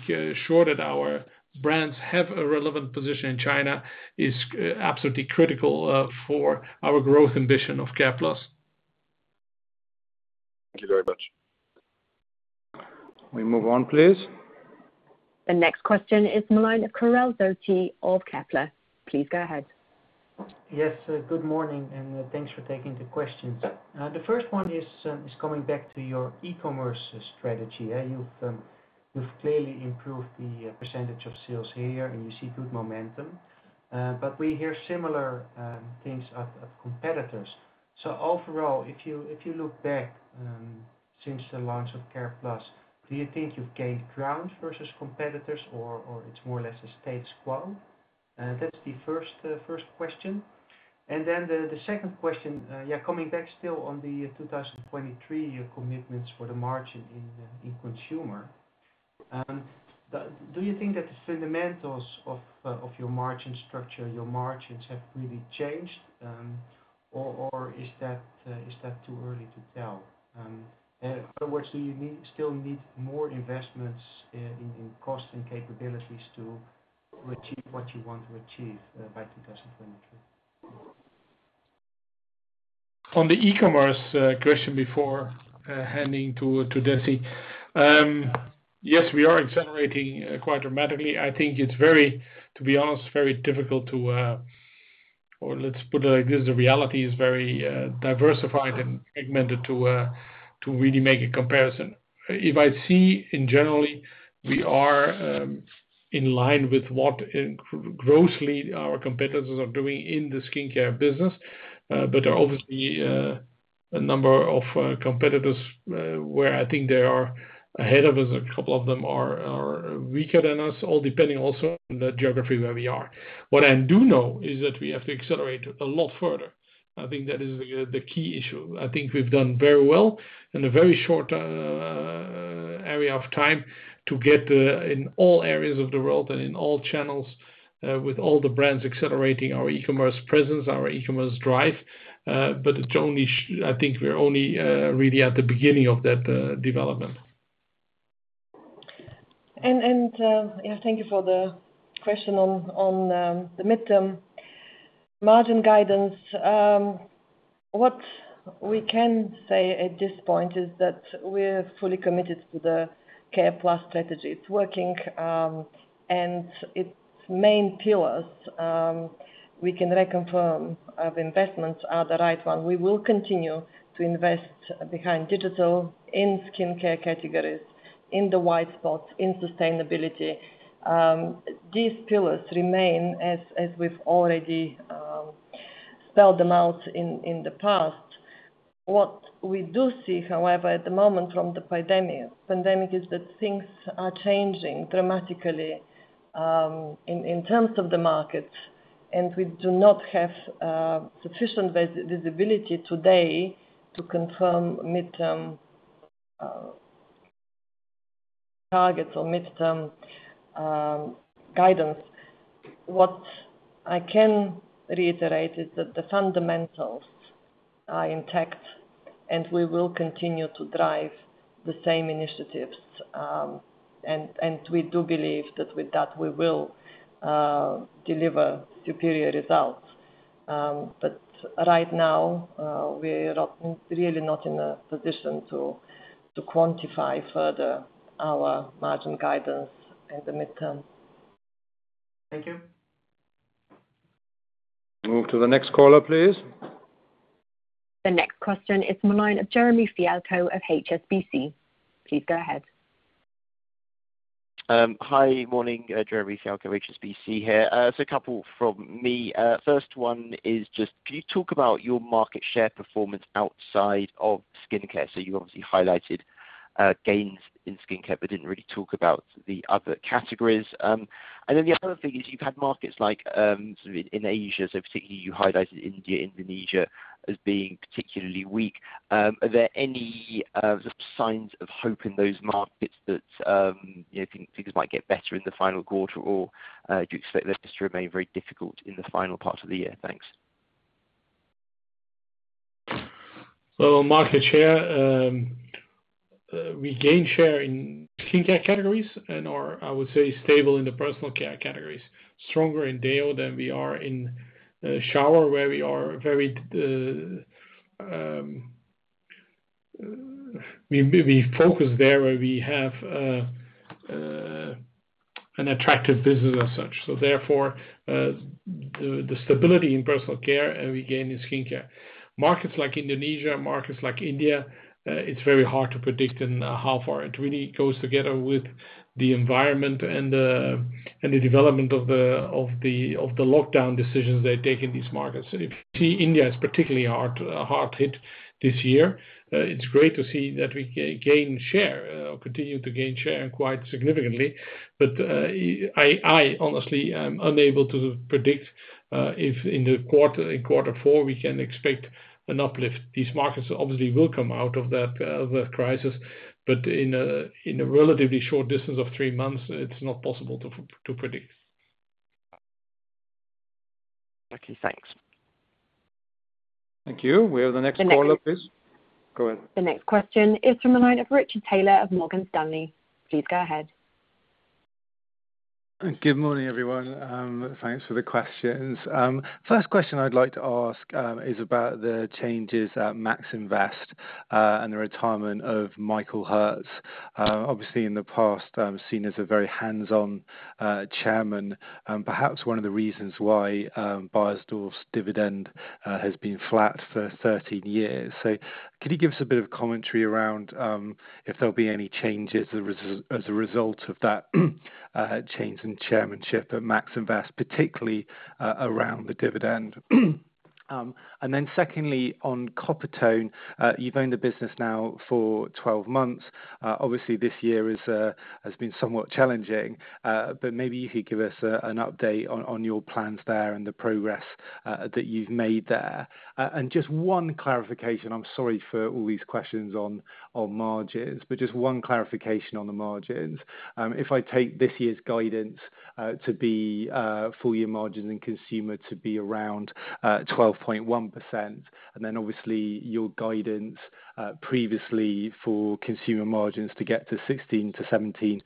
sure that our brands have a relevant position in China is absolutely critical for our growth ambition of C.A.R.E.+. Thank you very much. Can we move on, please? The next question is Karel Zoete of [Kepler Cheuvreux]. Please go ahead. Yes, good morning. Thanks for taking the questions. The first one is coming back to your e-commerce strategy. You've clearly improved the percentage of sales here, and you see good momentum. We hear similar things of competitors. Overall, if you look back since the launch of C.A.R.E.+, do you think you've gained ground versus competitors or it's more or less a status quo? That's the first question. The second question, coming back still on the 2023 commitments for the margin in consumer. Do you think that the fundamentals of your margin structure, your margins have really changed? Is that too early to tell? In other words, do you still need more investments in cost and capabilities to achieve what you want to achieve by 2023? On the e-commerce question before handing to Dessi. Yes, we are accelerating quite dramatically. I think it's very, to be honest, very difficult to or let's put it like this, the reality is very diversified and fragmented to really make a comparison. If I see in generally, we are in line with what grossly our competitors are doing in the skincare business. There are obviously a number of competitors where I think they are ahead of us, a couple of them are weaker than us, all depending also on the geography where we are. What I do know is that we have to accelerate a lot further. I think that is the key issue. I think we've done very well in a very short area of time to get in all areas of the world and in all channels, with all the brands accelerating our e-commerce presence, our e-commerce drive. I think we're only really at the beginning of that development. Thank you for the question on the midterm margin guidance. What we can say at this point is that we're fully committed to the C.A.R.E.+ strategy. It's working, and its main pillars, we can reconfirm our investments are the right one. We will continue to invest behind digital in skincare categories, in the white spots, in sustainability. These pillars remain as we've already spelled them out in the past. What we do see, however, at the moment from the pandemic is that things are changing dramatically, in terms of the market, and we do not have sufficient visibility today to confirm midterm targets or midterm guidance. What I can reiterate is that the fundamentals are intact, and we will continue to drive the same initiatives. We do believe that with that, we will deliver superior results. Right now, we're really not in a position to quantify further our margin guidance in the midterm. Thank you. Move to the next caller, please. The next question is the line of Jeremy Fialko of HSBC. Please go ahead. Hi, morning, Jeremy Fialko, HSBC here. A couple from me. First one is just, can you talk about your market share performance outside of skincare? You obviously highlighted gains in skincare, but didn't really talk about the other categories. The other thing is you've had markets like in Asia, particularly you highlighted India, Indonesia as being particularly weak. Are there any signs of hope in those markets that things might get better in the final quarter? Do you expect them just to remain very difficult in the final part of the year? Thanks. Market share, we gain share in skincare categories and are, I would say, stable in the personal care categories, stronger in deo than we are in shower where we focus there where we have an attractive business as such. Therefore, the stability in personal care and we gain in skincare. Markets like Indonesia, markets like India, it's very hard to predict and how far it really goes together with the environment and the development of the lockdown decisions they take in these markets. If you see India is particularly hard hit this year, it's great to see that we gain share or continue to gain share quite significantly. I honestly am unable to predict if in quarter four we can expect an uplift. These markets obviously will come out of that crisis, but in a relatively short distance of three months, it is not possible to predict. Okay, thanks. Thank you. We have the next caller, please. The next— Go ahead. The next question is from the line of Richard Taylor of Morgan Stanley. Please go ahead. Good morning, everyone. Thanks for the questions. First question I'd like to ask is about the changes at Maxingvest and the retirement of Michael Herz. Obviously, in the past, seen as a very hands-on chairman, perhaps one of the reasons why Beiersdorf's dividend has been flat for 13 years. Can you give us a bit of commentary around if there'll be any changes as a result of that change in chairmanship at Maxingvest, particularly around the dividend? Secondly, on Coppertone. You've owned the business now for 12 months. Obviously, this year has been somewhat challenging, but maybe you could give us an update on your plans there and the progress that you've made there. Just one clarification, I'm sorry for all these questions on margins, but just one clarification on the margins. If I take this year's guidance to be full year margins and consumer to be around 12.1%, and then obviously your guidance previously for consumer margins to get to 16%-17%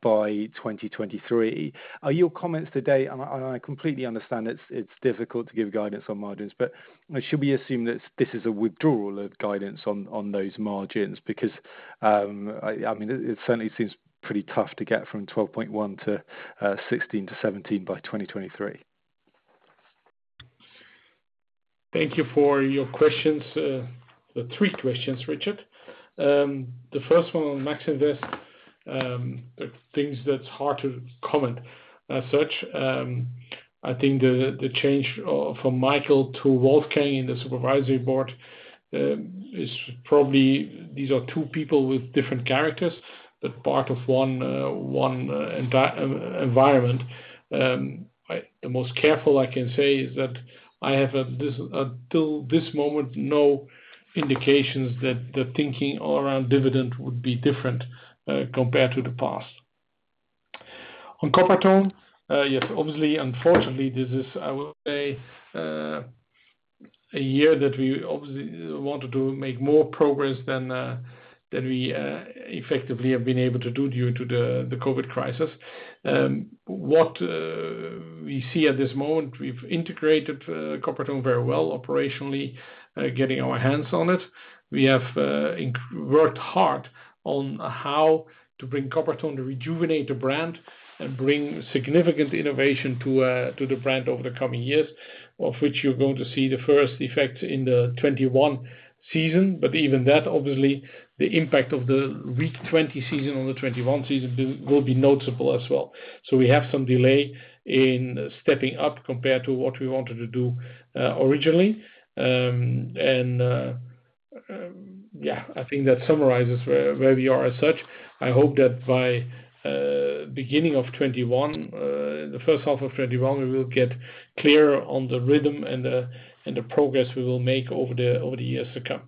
by 2023. Are your comments today, and I completely understand it's difficult to give guidance on margins, but should we assume that this is a withdrawal of guidance on those margins? It certainly seems pretty tough to get from 12.1%-16% to 17% by 2023. Thank you for your questions, the three questions, Richard. The first one on Maxingvest, things that's hard to comment as such. I think the change from Michael to Wolfgang in the supervisory board is probably these are two people with different characters, but part of one environment. The most careful I can say is that I have, until this moment, no indications that the thinking around dividend would be different compared to the past. On Coppertone, yes, obviously, unfortunately, this is, I will say, a year that we obviously wanted to make more progress than we effectively have been able to do due to the COVID crisis. What we see at this moment, we've integrated Coppertone very well operationally, getting our hands on it. We have worked hard on how to bring Coppertone to rejuvenate the brand and bring significant innovation to the brand over the coming years, of which you're going to see the first effect in the 2021 season. Even that, obviously, the impact of the weak 2020 season on the 2021 season will be noticeable as well. We have some delay in stepping up compared to what we wanted to do originally. I think that summarizes where we are as such. I hope that by beginning of 2021, the first half of 2021, we will get clearer on the rhythm and the progress we will make over the years to come.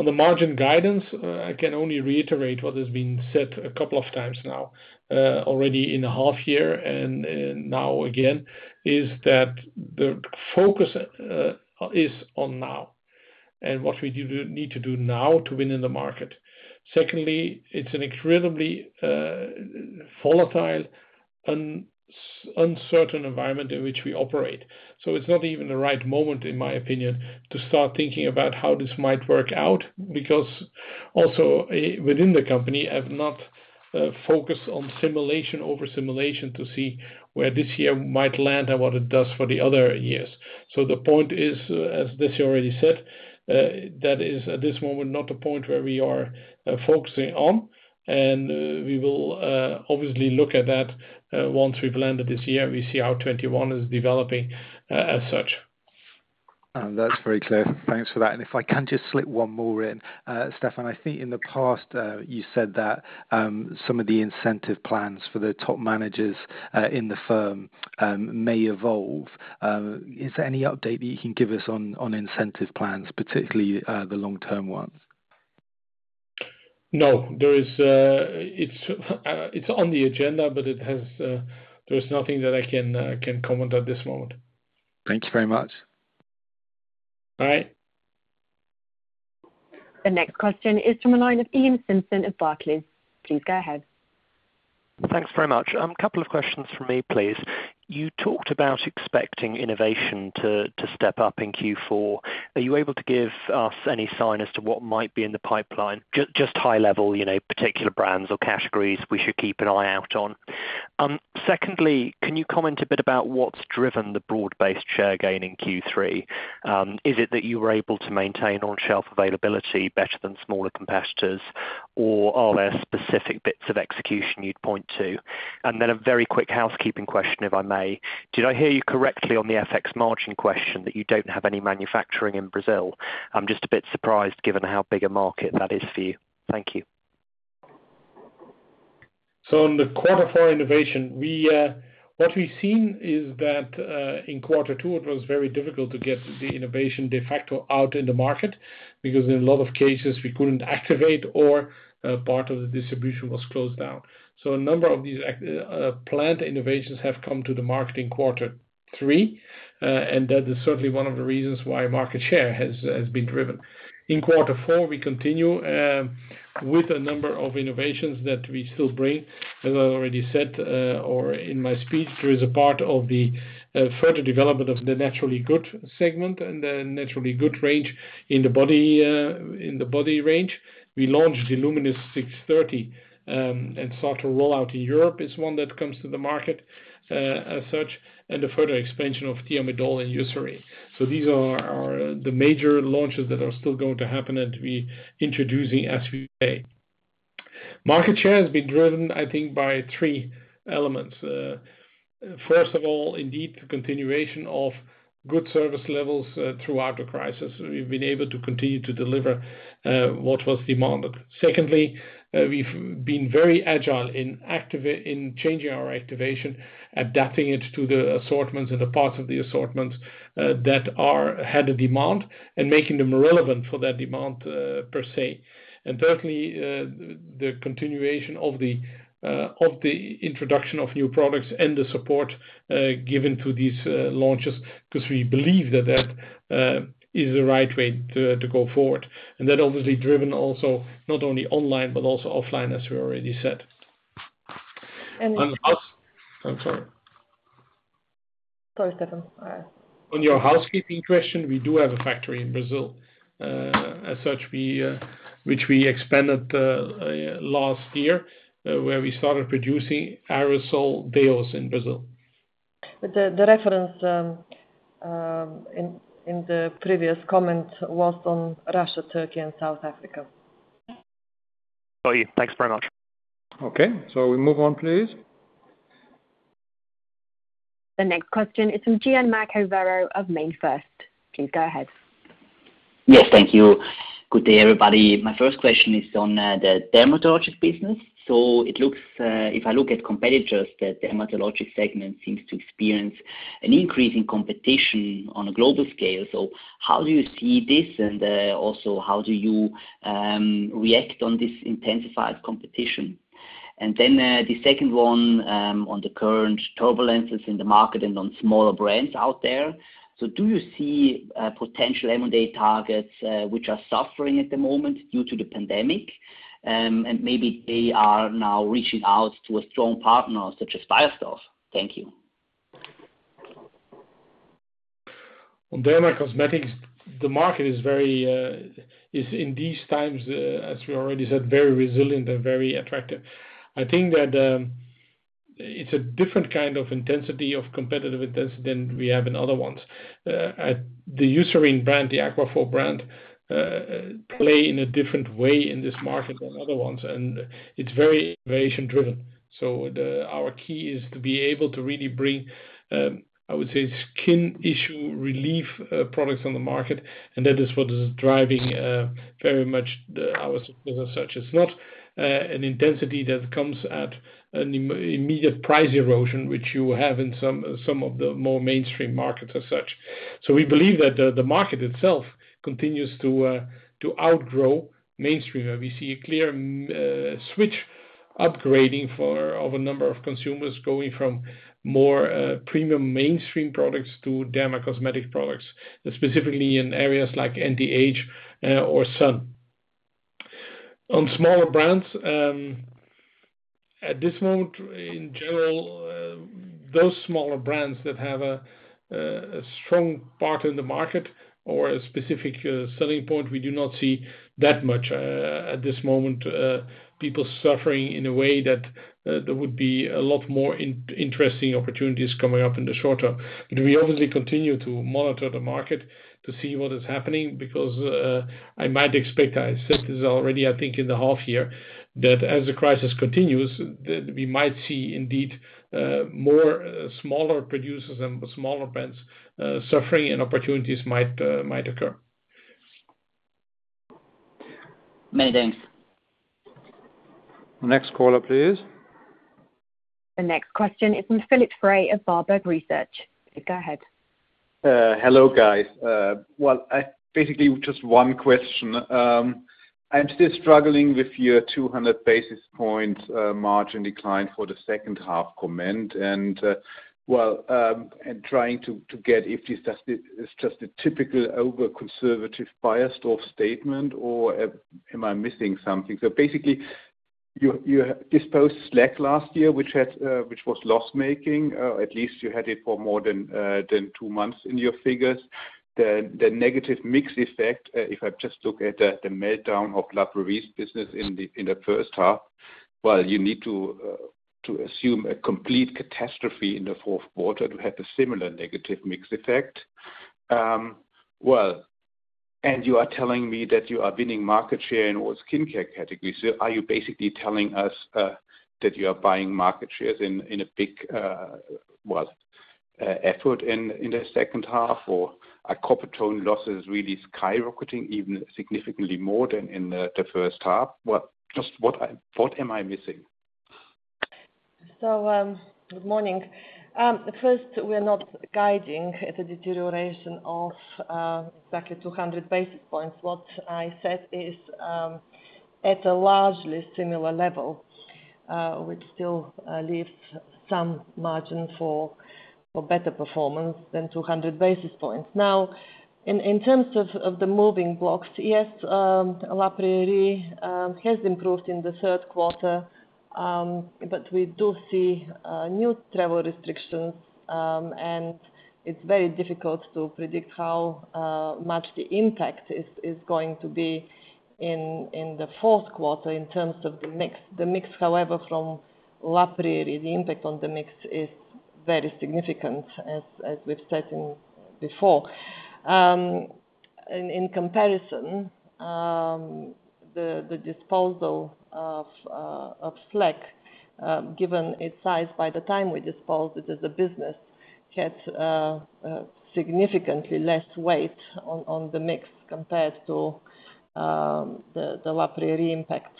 On the margin guidance, I can only reiterate what has been said a couple of times now, already in the half year and now again, is that the focus is on now and what we need to do now to win in the market. Secondly, it's an incredibly volatile, uncertain environment in which we operate. It's not even the right moment, in my opinion, to start thinking about how this might work out, because also within the company, I've not focused on simulation over simulation to see where this year might land and what it does for the other years. The point is, as Dessi already said, that is, at this moment, not a point where we are focusing on, and we will obviously look at that once we've landed this year, we see how 2021 is developing as such. That's very clear. Thanks for that. If I can just slip one more in. Stefan, I think in the past, you said that some of the incentive plans for the top managers in the firm may evolve. Is there any update that you can give us on incentive plans, particularly the long-term ones? No. It's on the agenda, but there is nothing that I can comment at this moment. Thank you very much. All right. The next question is from the line of Iain Simpson of Barclays. Please go ahead. Thanks very much. Couple of questions from me, please. You talked about expecting innovation to step up in Q4. Are you able to give us any sign as to what might be in the pipeline? Just high level, you know, particular brands or categories we should keep an eye out on. Secondly, can you comment a bit about what's driven the broad-based share gain in Q3? Is it that you were able to maintain on-shelf availability better than smaller competitors, or are there specific bits of execution you'd point to? An then, a very quick housekeeping question, if I may. Did I hear you correctly on the FX margin question that you don't have any manufacturing in Brazil? I'm just a bit surprised given how big a market that is for you? Thank you. In the quarter four innovation, what we've seen is that, in quarter two, it was very difficult to get the innovation de facto out in the market because in a lot of cases, we couldn't activate or part of the distribution was closed down. A number of these planned innovations have come to the market in quarter three, and that is certainly one of the reasons why market share has been driven. In quarter four, we continue with a number of innovations that we still bring. As I already said, or in my speech, there is a part of the further development of the Naturally Good segment and the Naturally Good range in the body range. We launched the LUMINOUS630, and start to roll out in Europe is one that comes to the market, as such, and the further expansion of Thiamidol and Eucerin. These are the major launches that are still going to happen and to be introducing as we say. Market share has been driven, I think, by three elements. First of all, indeed, the continuation of good service levels throughout the crisis. We've been able to continue to deliver what was demanded. Secondly, we've been very agile in changing our activation, adapting it to the assortments and the parts of the assortments that had a demand and making them relevant for that demand per se. Thirdly, the continuation of the introduction of new products and the support given to these launches because we believe that that is the right way to go forward. That obviously driven also not only online, but also offline, as we already said. And— I'm sorry. Sorry, Stefan. Go ahead. On your housekeeping question, we do have a factory in Brazil, as such, which we expanded last year, where we started producing aerosol deos in Brazil. The reference in the previous comment was on Russia, Turkey, and South Africa. Got you. Thanks very much. Okay, we move on, please. The next question is from Gian Marco Werro of MainFirst. Please go ahead. Yes, thank you. Good day, everybody. My first question is on the dermatologic business. If I look at competitors, the dermatologic segment seems to experience an increase in competition on a global scale. How do you see this and also how do you react on this intensified competition? Then, the second one, on the current turbulences in the market and on smaller brands out there. Do you see potential M&A targets which are suffering at the moment due to the pandemic? Maybe they are now reaching out to a strong partner such as Beiersdorf. Thank you. On dermacosmetics, the market is, in these times, as we already said, very resilient and very attractive. I think that it's a different kind of intensity of competitive intensity than we have in other ones. The Eucerin brand, the Aquaphor brand, play in a different way in this market than other ones, and it's very innovation driven. Our key is to be able to really bring, I would say, skin issue relief products on the market, and that is what is driving very much our business as such. It's not an intensity that comes at an immediate price erosion, which you have in some of the more mainstream markets as such. We believe that the market itself continues to outgrow mainstream, where we see a clear switch upgrading of a number of consumers going from more premium mainstream products to dermacosmetic products, specifically in areas like anti-age or sun. On smaller brands, at this moment, in general, those smaller brands that have a strong part in the market or a specific selling point, we do not see that much at this moment people suffering in a way that there would be a lot more interesting opportunities coming up in the short term. We obviously continue to monitor the market to see what is happening because I might expect, I said this already, I think in the half year, that as the crisis continues, we might see indeed more smaller producers and smaller brands suffering and opportunities might occur. Many thanks. Next caller, please. The next question is from Philipp Fray of Berenberg Research. Please go ahead. Hello, guys. Well, I basically just one question. I'm still struggling with your 200 basis points margin decline for the second half comment and trying to get if this is just a typical over-conservative Beiersdorf statement or am I missing something? You disposed SLEK last year, which was loss-making. At least you had it for more than two months in your figures. The negative mix effect, if I just look at the meltdown of La Prairie's business in the first half, while you need to assume a complete catastrophe in the fourth quarter to have a similar negative mix effect. Well, you are telling me that you are winning market share in all skincare categories. Are you basically telling us that you are buying market shares in a big effort in the second half, or are Coppertone losses really skyrocketing even significantly more than in the first half? What am I missing? Good morning. First, we are not guiding at a deterioration of exactly 200 basis points. What I said is at a largely similar level, which still leaves some margin for better performance than 200 basis points. Now, in terms of the moving blocks, yes, La Prairie has improved in the third quarter, but we do see new travel restrictions, and it's very difficult to predict how much the impact is going to be in the fourth quarter in terms of the mix. The mix, however, from La Prairie, the impact on the mix is very significant as we've said before. In comparison, the disposal of SLEK, given its size by the time we disposed it as a business, had significantly less weight on the mix compared to the La Prairie impact.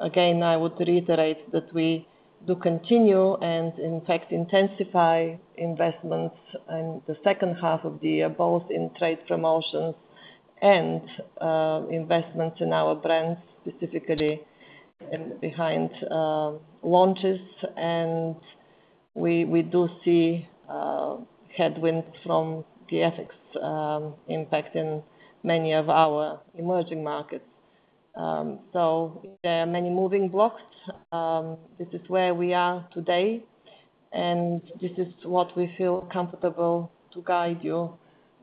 Again, I would reiterate that we do continue and in fact intensify investments in the second half of the year, both in trade promotions and investments in our brands, specifically behind launches. We do see headwinds from the FX impact in many of our emerging markets. There are many moving blocks. This is where we are today, and this is what we feel comfortable to guide you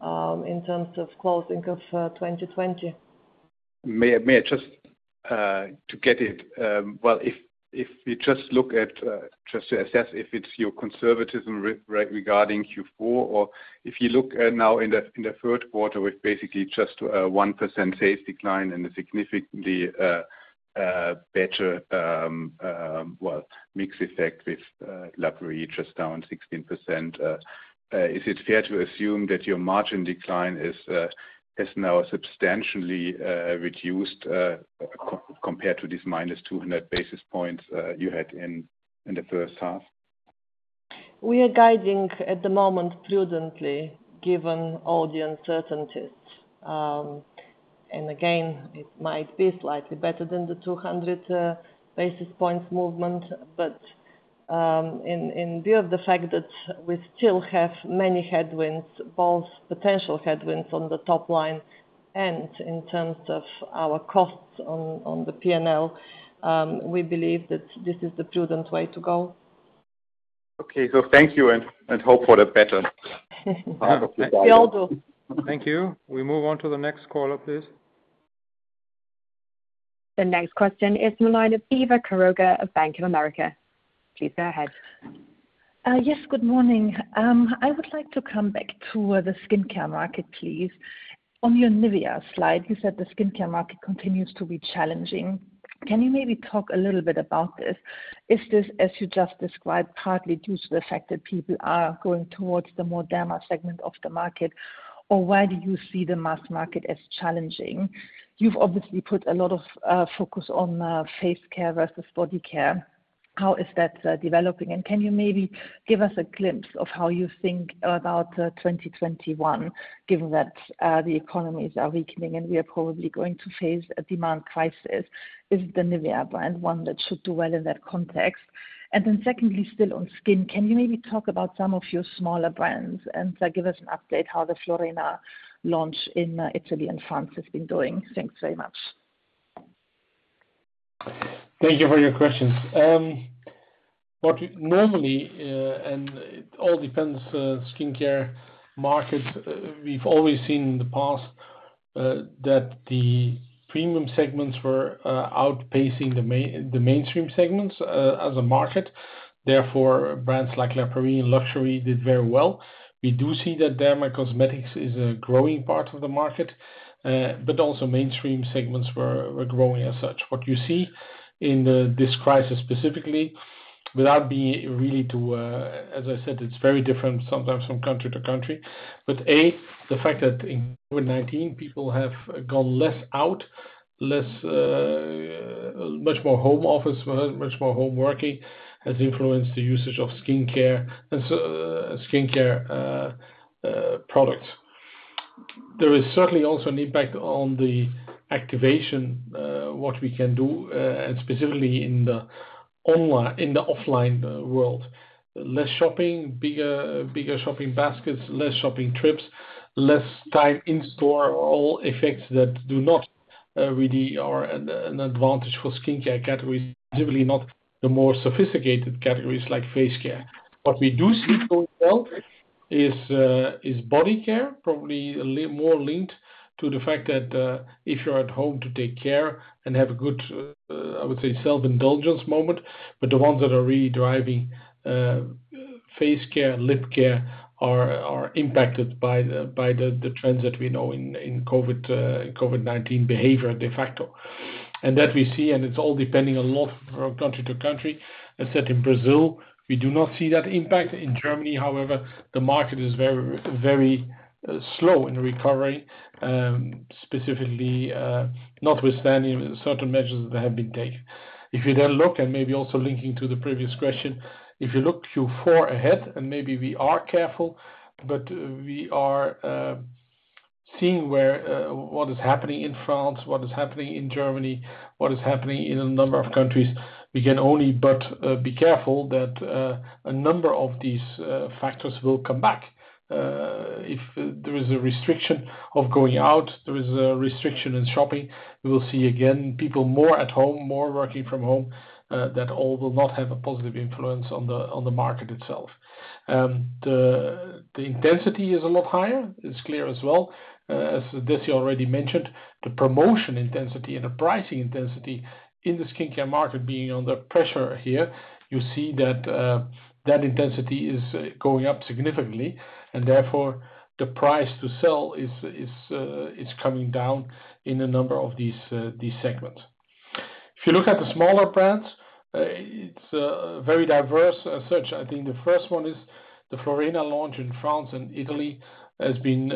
in terms of closing of 2020. May I just, to get it, if you just look at, just to assess if it's your conservatism regarding Q4 or if you look now in the third quarter with basically just a 1% sales decline and a significantly better mix effect with La Prairie just down 16%, is it fair to assume that your margin decline has now substantially reduced compared to this minus 200 basis points you had in the first half? We are guiding at the moment prudently, given all the uncertainties. Again, it might be slightly better than the 200 basis points movement, but in view of the fact that we still have many headwinds, both potential headwinds on the top line and in terms of our costs on the P&L, we believe that this is the prudent way to go. Okay. Thank you and hope for the better. We all do. Thank you. We move on to the next caller, please. The next question is the line of Eva Quiroga of Bank of America. Please go ahead. Yes, good morning. I would like to come back to the skincare market, please. On your NIVEA slide, you said the skincare market continues to be challenging. Can you maybe talk a little bit about this? Is this, as you just described, partly due to the fact that people are going towards the more derma segment of the market? Why do you see the mass market as challenging? You've obviously put a lot of focus on face care versus body care. How is that developing? Can you maybe give us a glimpse of how you think about 2021, given that the economies are weakening and we are probably going to face a demand crisis? Is the NIVEA brand one that should do well in that context? Secondly, still on skin, can you maybe talk about some of your smaller brands and give us an update how the Florena launch in Italy and France has been doing? Thanks very much. Thank you for your questions. What normally, and it all depends, skincare market, we've always seen in the past that the premium segments were outpacing the mainstream segments as a market. Therefore, brands like La Prairie and luxury did very well. We do see that derma cosmetics is a growing part of the market, but also mainstream segments were growing as such. What you see in this crisis specifically, As I said, it's very different sometimes from country to country. A, the fact that in COVID-19, people have gone less out, much more home office, much more home working, has influenced the usage of skincare and skincare products. There is certainly also an impact on the activation, what we can do, specifically in the offline world, less shopping, bigger shopping baskets, less shopping trips, less time in store, all effects that do not really are an advantage for skincare categories, generally not the more sophisticated categories like face care. What we do see as well is body care, probably more linked to the fact that if you're at home to take care and have a good, I would say, self-indulgence moment, but the ones that are really driving face care, lip care are impacted by the trends that we know in COVID-19 behavior de facto. That we see, and it's all depending a lot from country to country. As said, in Brazil, we do not see that impact. In Germany, however, the market is very slow in recovery, specifically notwithstanding certain measures that have been taken. If you then look, and maybe also linking to the previous question, if you look Q4 ahead, and maybe we are careful, but we are seeing what is happening in France, what is happening in Germany, what is happening in a number of countries. We can only but be careful that a number of these factors will come back. If there is a restriction of going out, there is a restriction in shopping, we will see, again, people more at home, more working from home. That all will not have a positive influence on the market itself. The intensity is a lot higher. It's clear as well, as Dessi already mentioned, the promotion intensity and the pricing intensity in the skincare market being under pressure here, you see that intensity is going up significantly, and therefore, the price to sell is coming down in a number of these segments. If you look at the smaller brands, it's very diverse as such. I think the first one is the Florena launch in France and Italy has been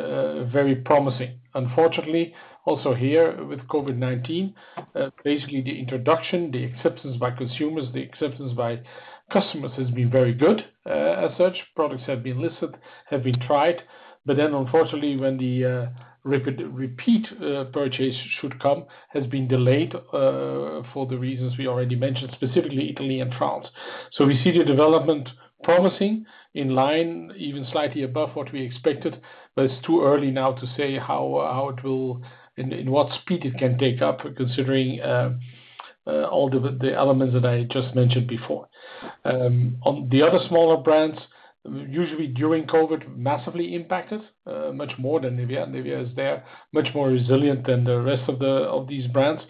very promising. Unfortunately, also here with COVID-19, basically the introduction, the acceptance by consumers, the acceptance by customers has been very good. As such, products have been listed, have been tried, but then unfortunately when the repeat purchase should come, has been delayed for the reasons we already mentioned, specifically Italy and France. We see the development promising, in line, even slightly above what we expected, but it's too early now to say in what speed it can take up, considering all the elements that I just mentioned before. On the other smaller brands, usually during COVID, massively impacted, much more than NIVEA. NIVEA is there, much more resilient than the rest of these brands.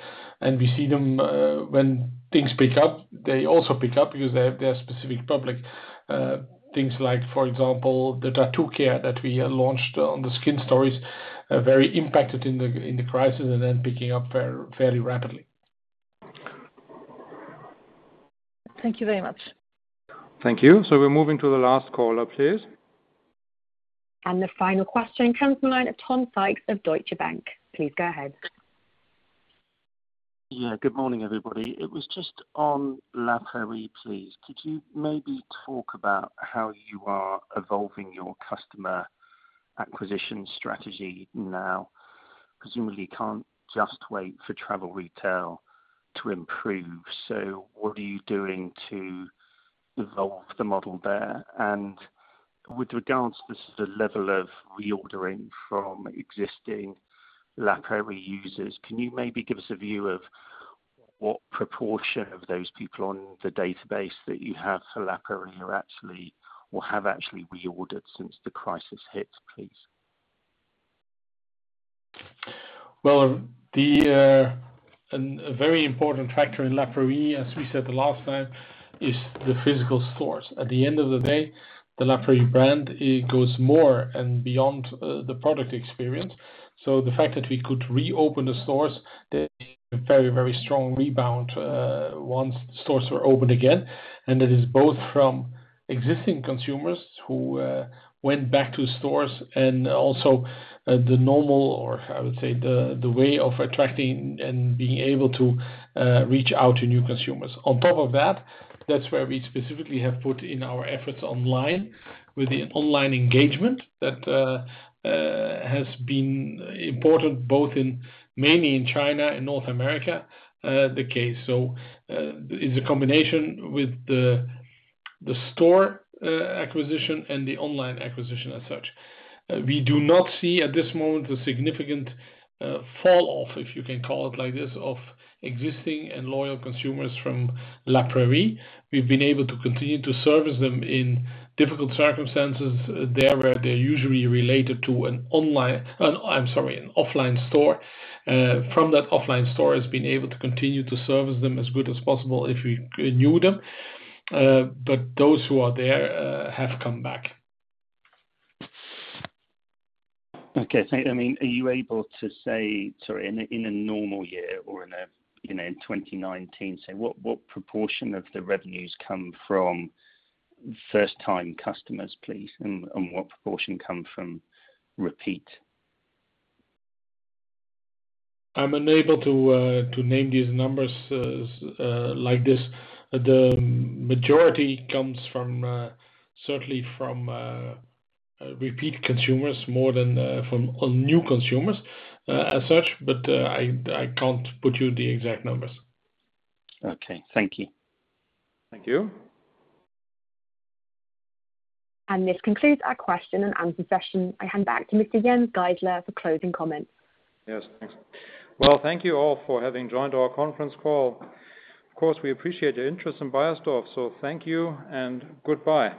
We see them when things pick up, they also pick up because they have their specific public. Things like, for example, the tattoo care that we launched on the Skin Stories, very impacted in the crisis and then picking up fairly rapidly. Thank you very much. Thank you. We're moving to the last caller, please. The final question comes from the line of Tom Sykes of Deutsche Bank. Please go ahead. Good morning, everybody. It was just on La Prairie, please. Could you maybe talk about how you are evolving your customer acquisition strategy now? Presumably can't just wait for travel retail to improve. What are you doing to evolve the model there? With regards to the level of reordering from existing La Prairie users, can you maybe give us a view of what proportion of those people on the database that you have for La Prairie are actually, or have actually reordered since the crisis hit, please? Well, a very important factor in La Prairie, as we said the last time, is the physical stores. At the end of the day, the La Prairie brand, it goes more and beyond the product experience. The fact that we could reopen the stores, they're seeing a very strong rebound once stores were opened again, and that is both from existing consumers who went back to stores and also the normal, or I would say, the way of attracting and being able to reach out to new consumers. On top of that's where we specifically have put in our efforts online, with the online engagement that has been important both in mainly in China and North America, the case. It's a combination with the store acquisition and the online acquisition as such. We do not see at this moment a significant fall off, if you can call it like this, of existing and loyal consumers from La Prairie. We've been able to continue to service them in difficult circumstances there, where they're usually related to an offline store. From that offline store has been able to continue to service them as good as possible if we knew them. Those who are there have come back. Okay. Are you able to say, sorry, in a normal year or, you know, in 2019, say what proportion of the revenues come from first time customers, please, and what proportion come from repeat? I'm unable to name these numbers like this. The majority comes certainly from repeat consumers more than from new consumers as such, but I can't put you the exact numbers. Okay. Thank you. Thank you. This concludes our question and answer session. I hand back to Mr. Jens Geissler for closing comments. Yes. Thanks. Thank you all for having joined our conference call. Of course, we appreciate your interest in Beiersdorf, thank you and goodbye.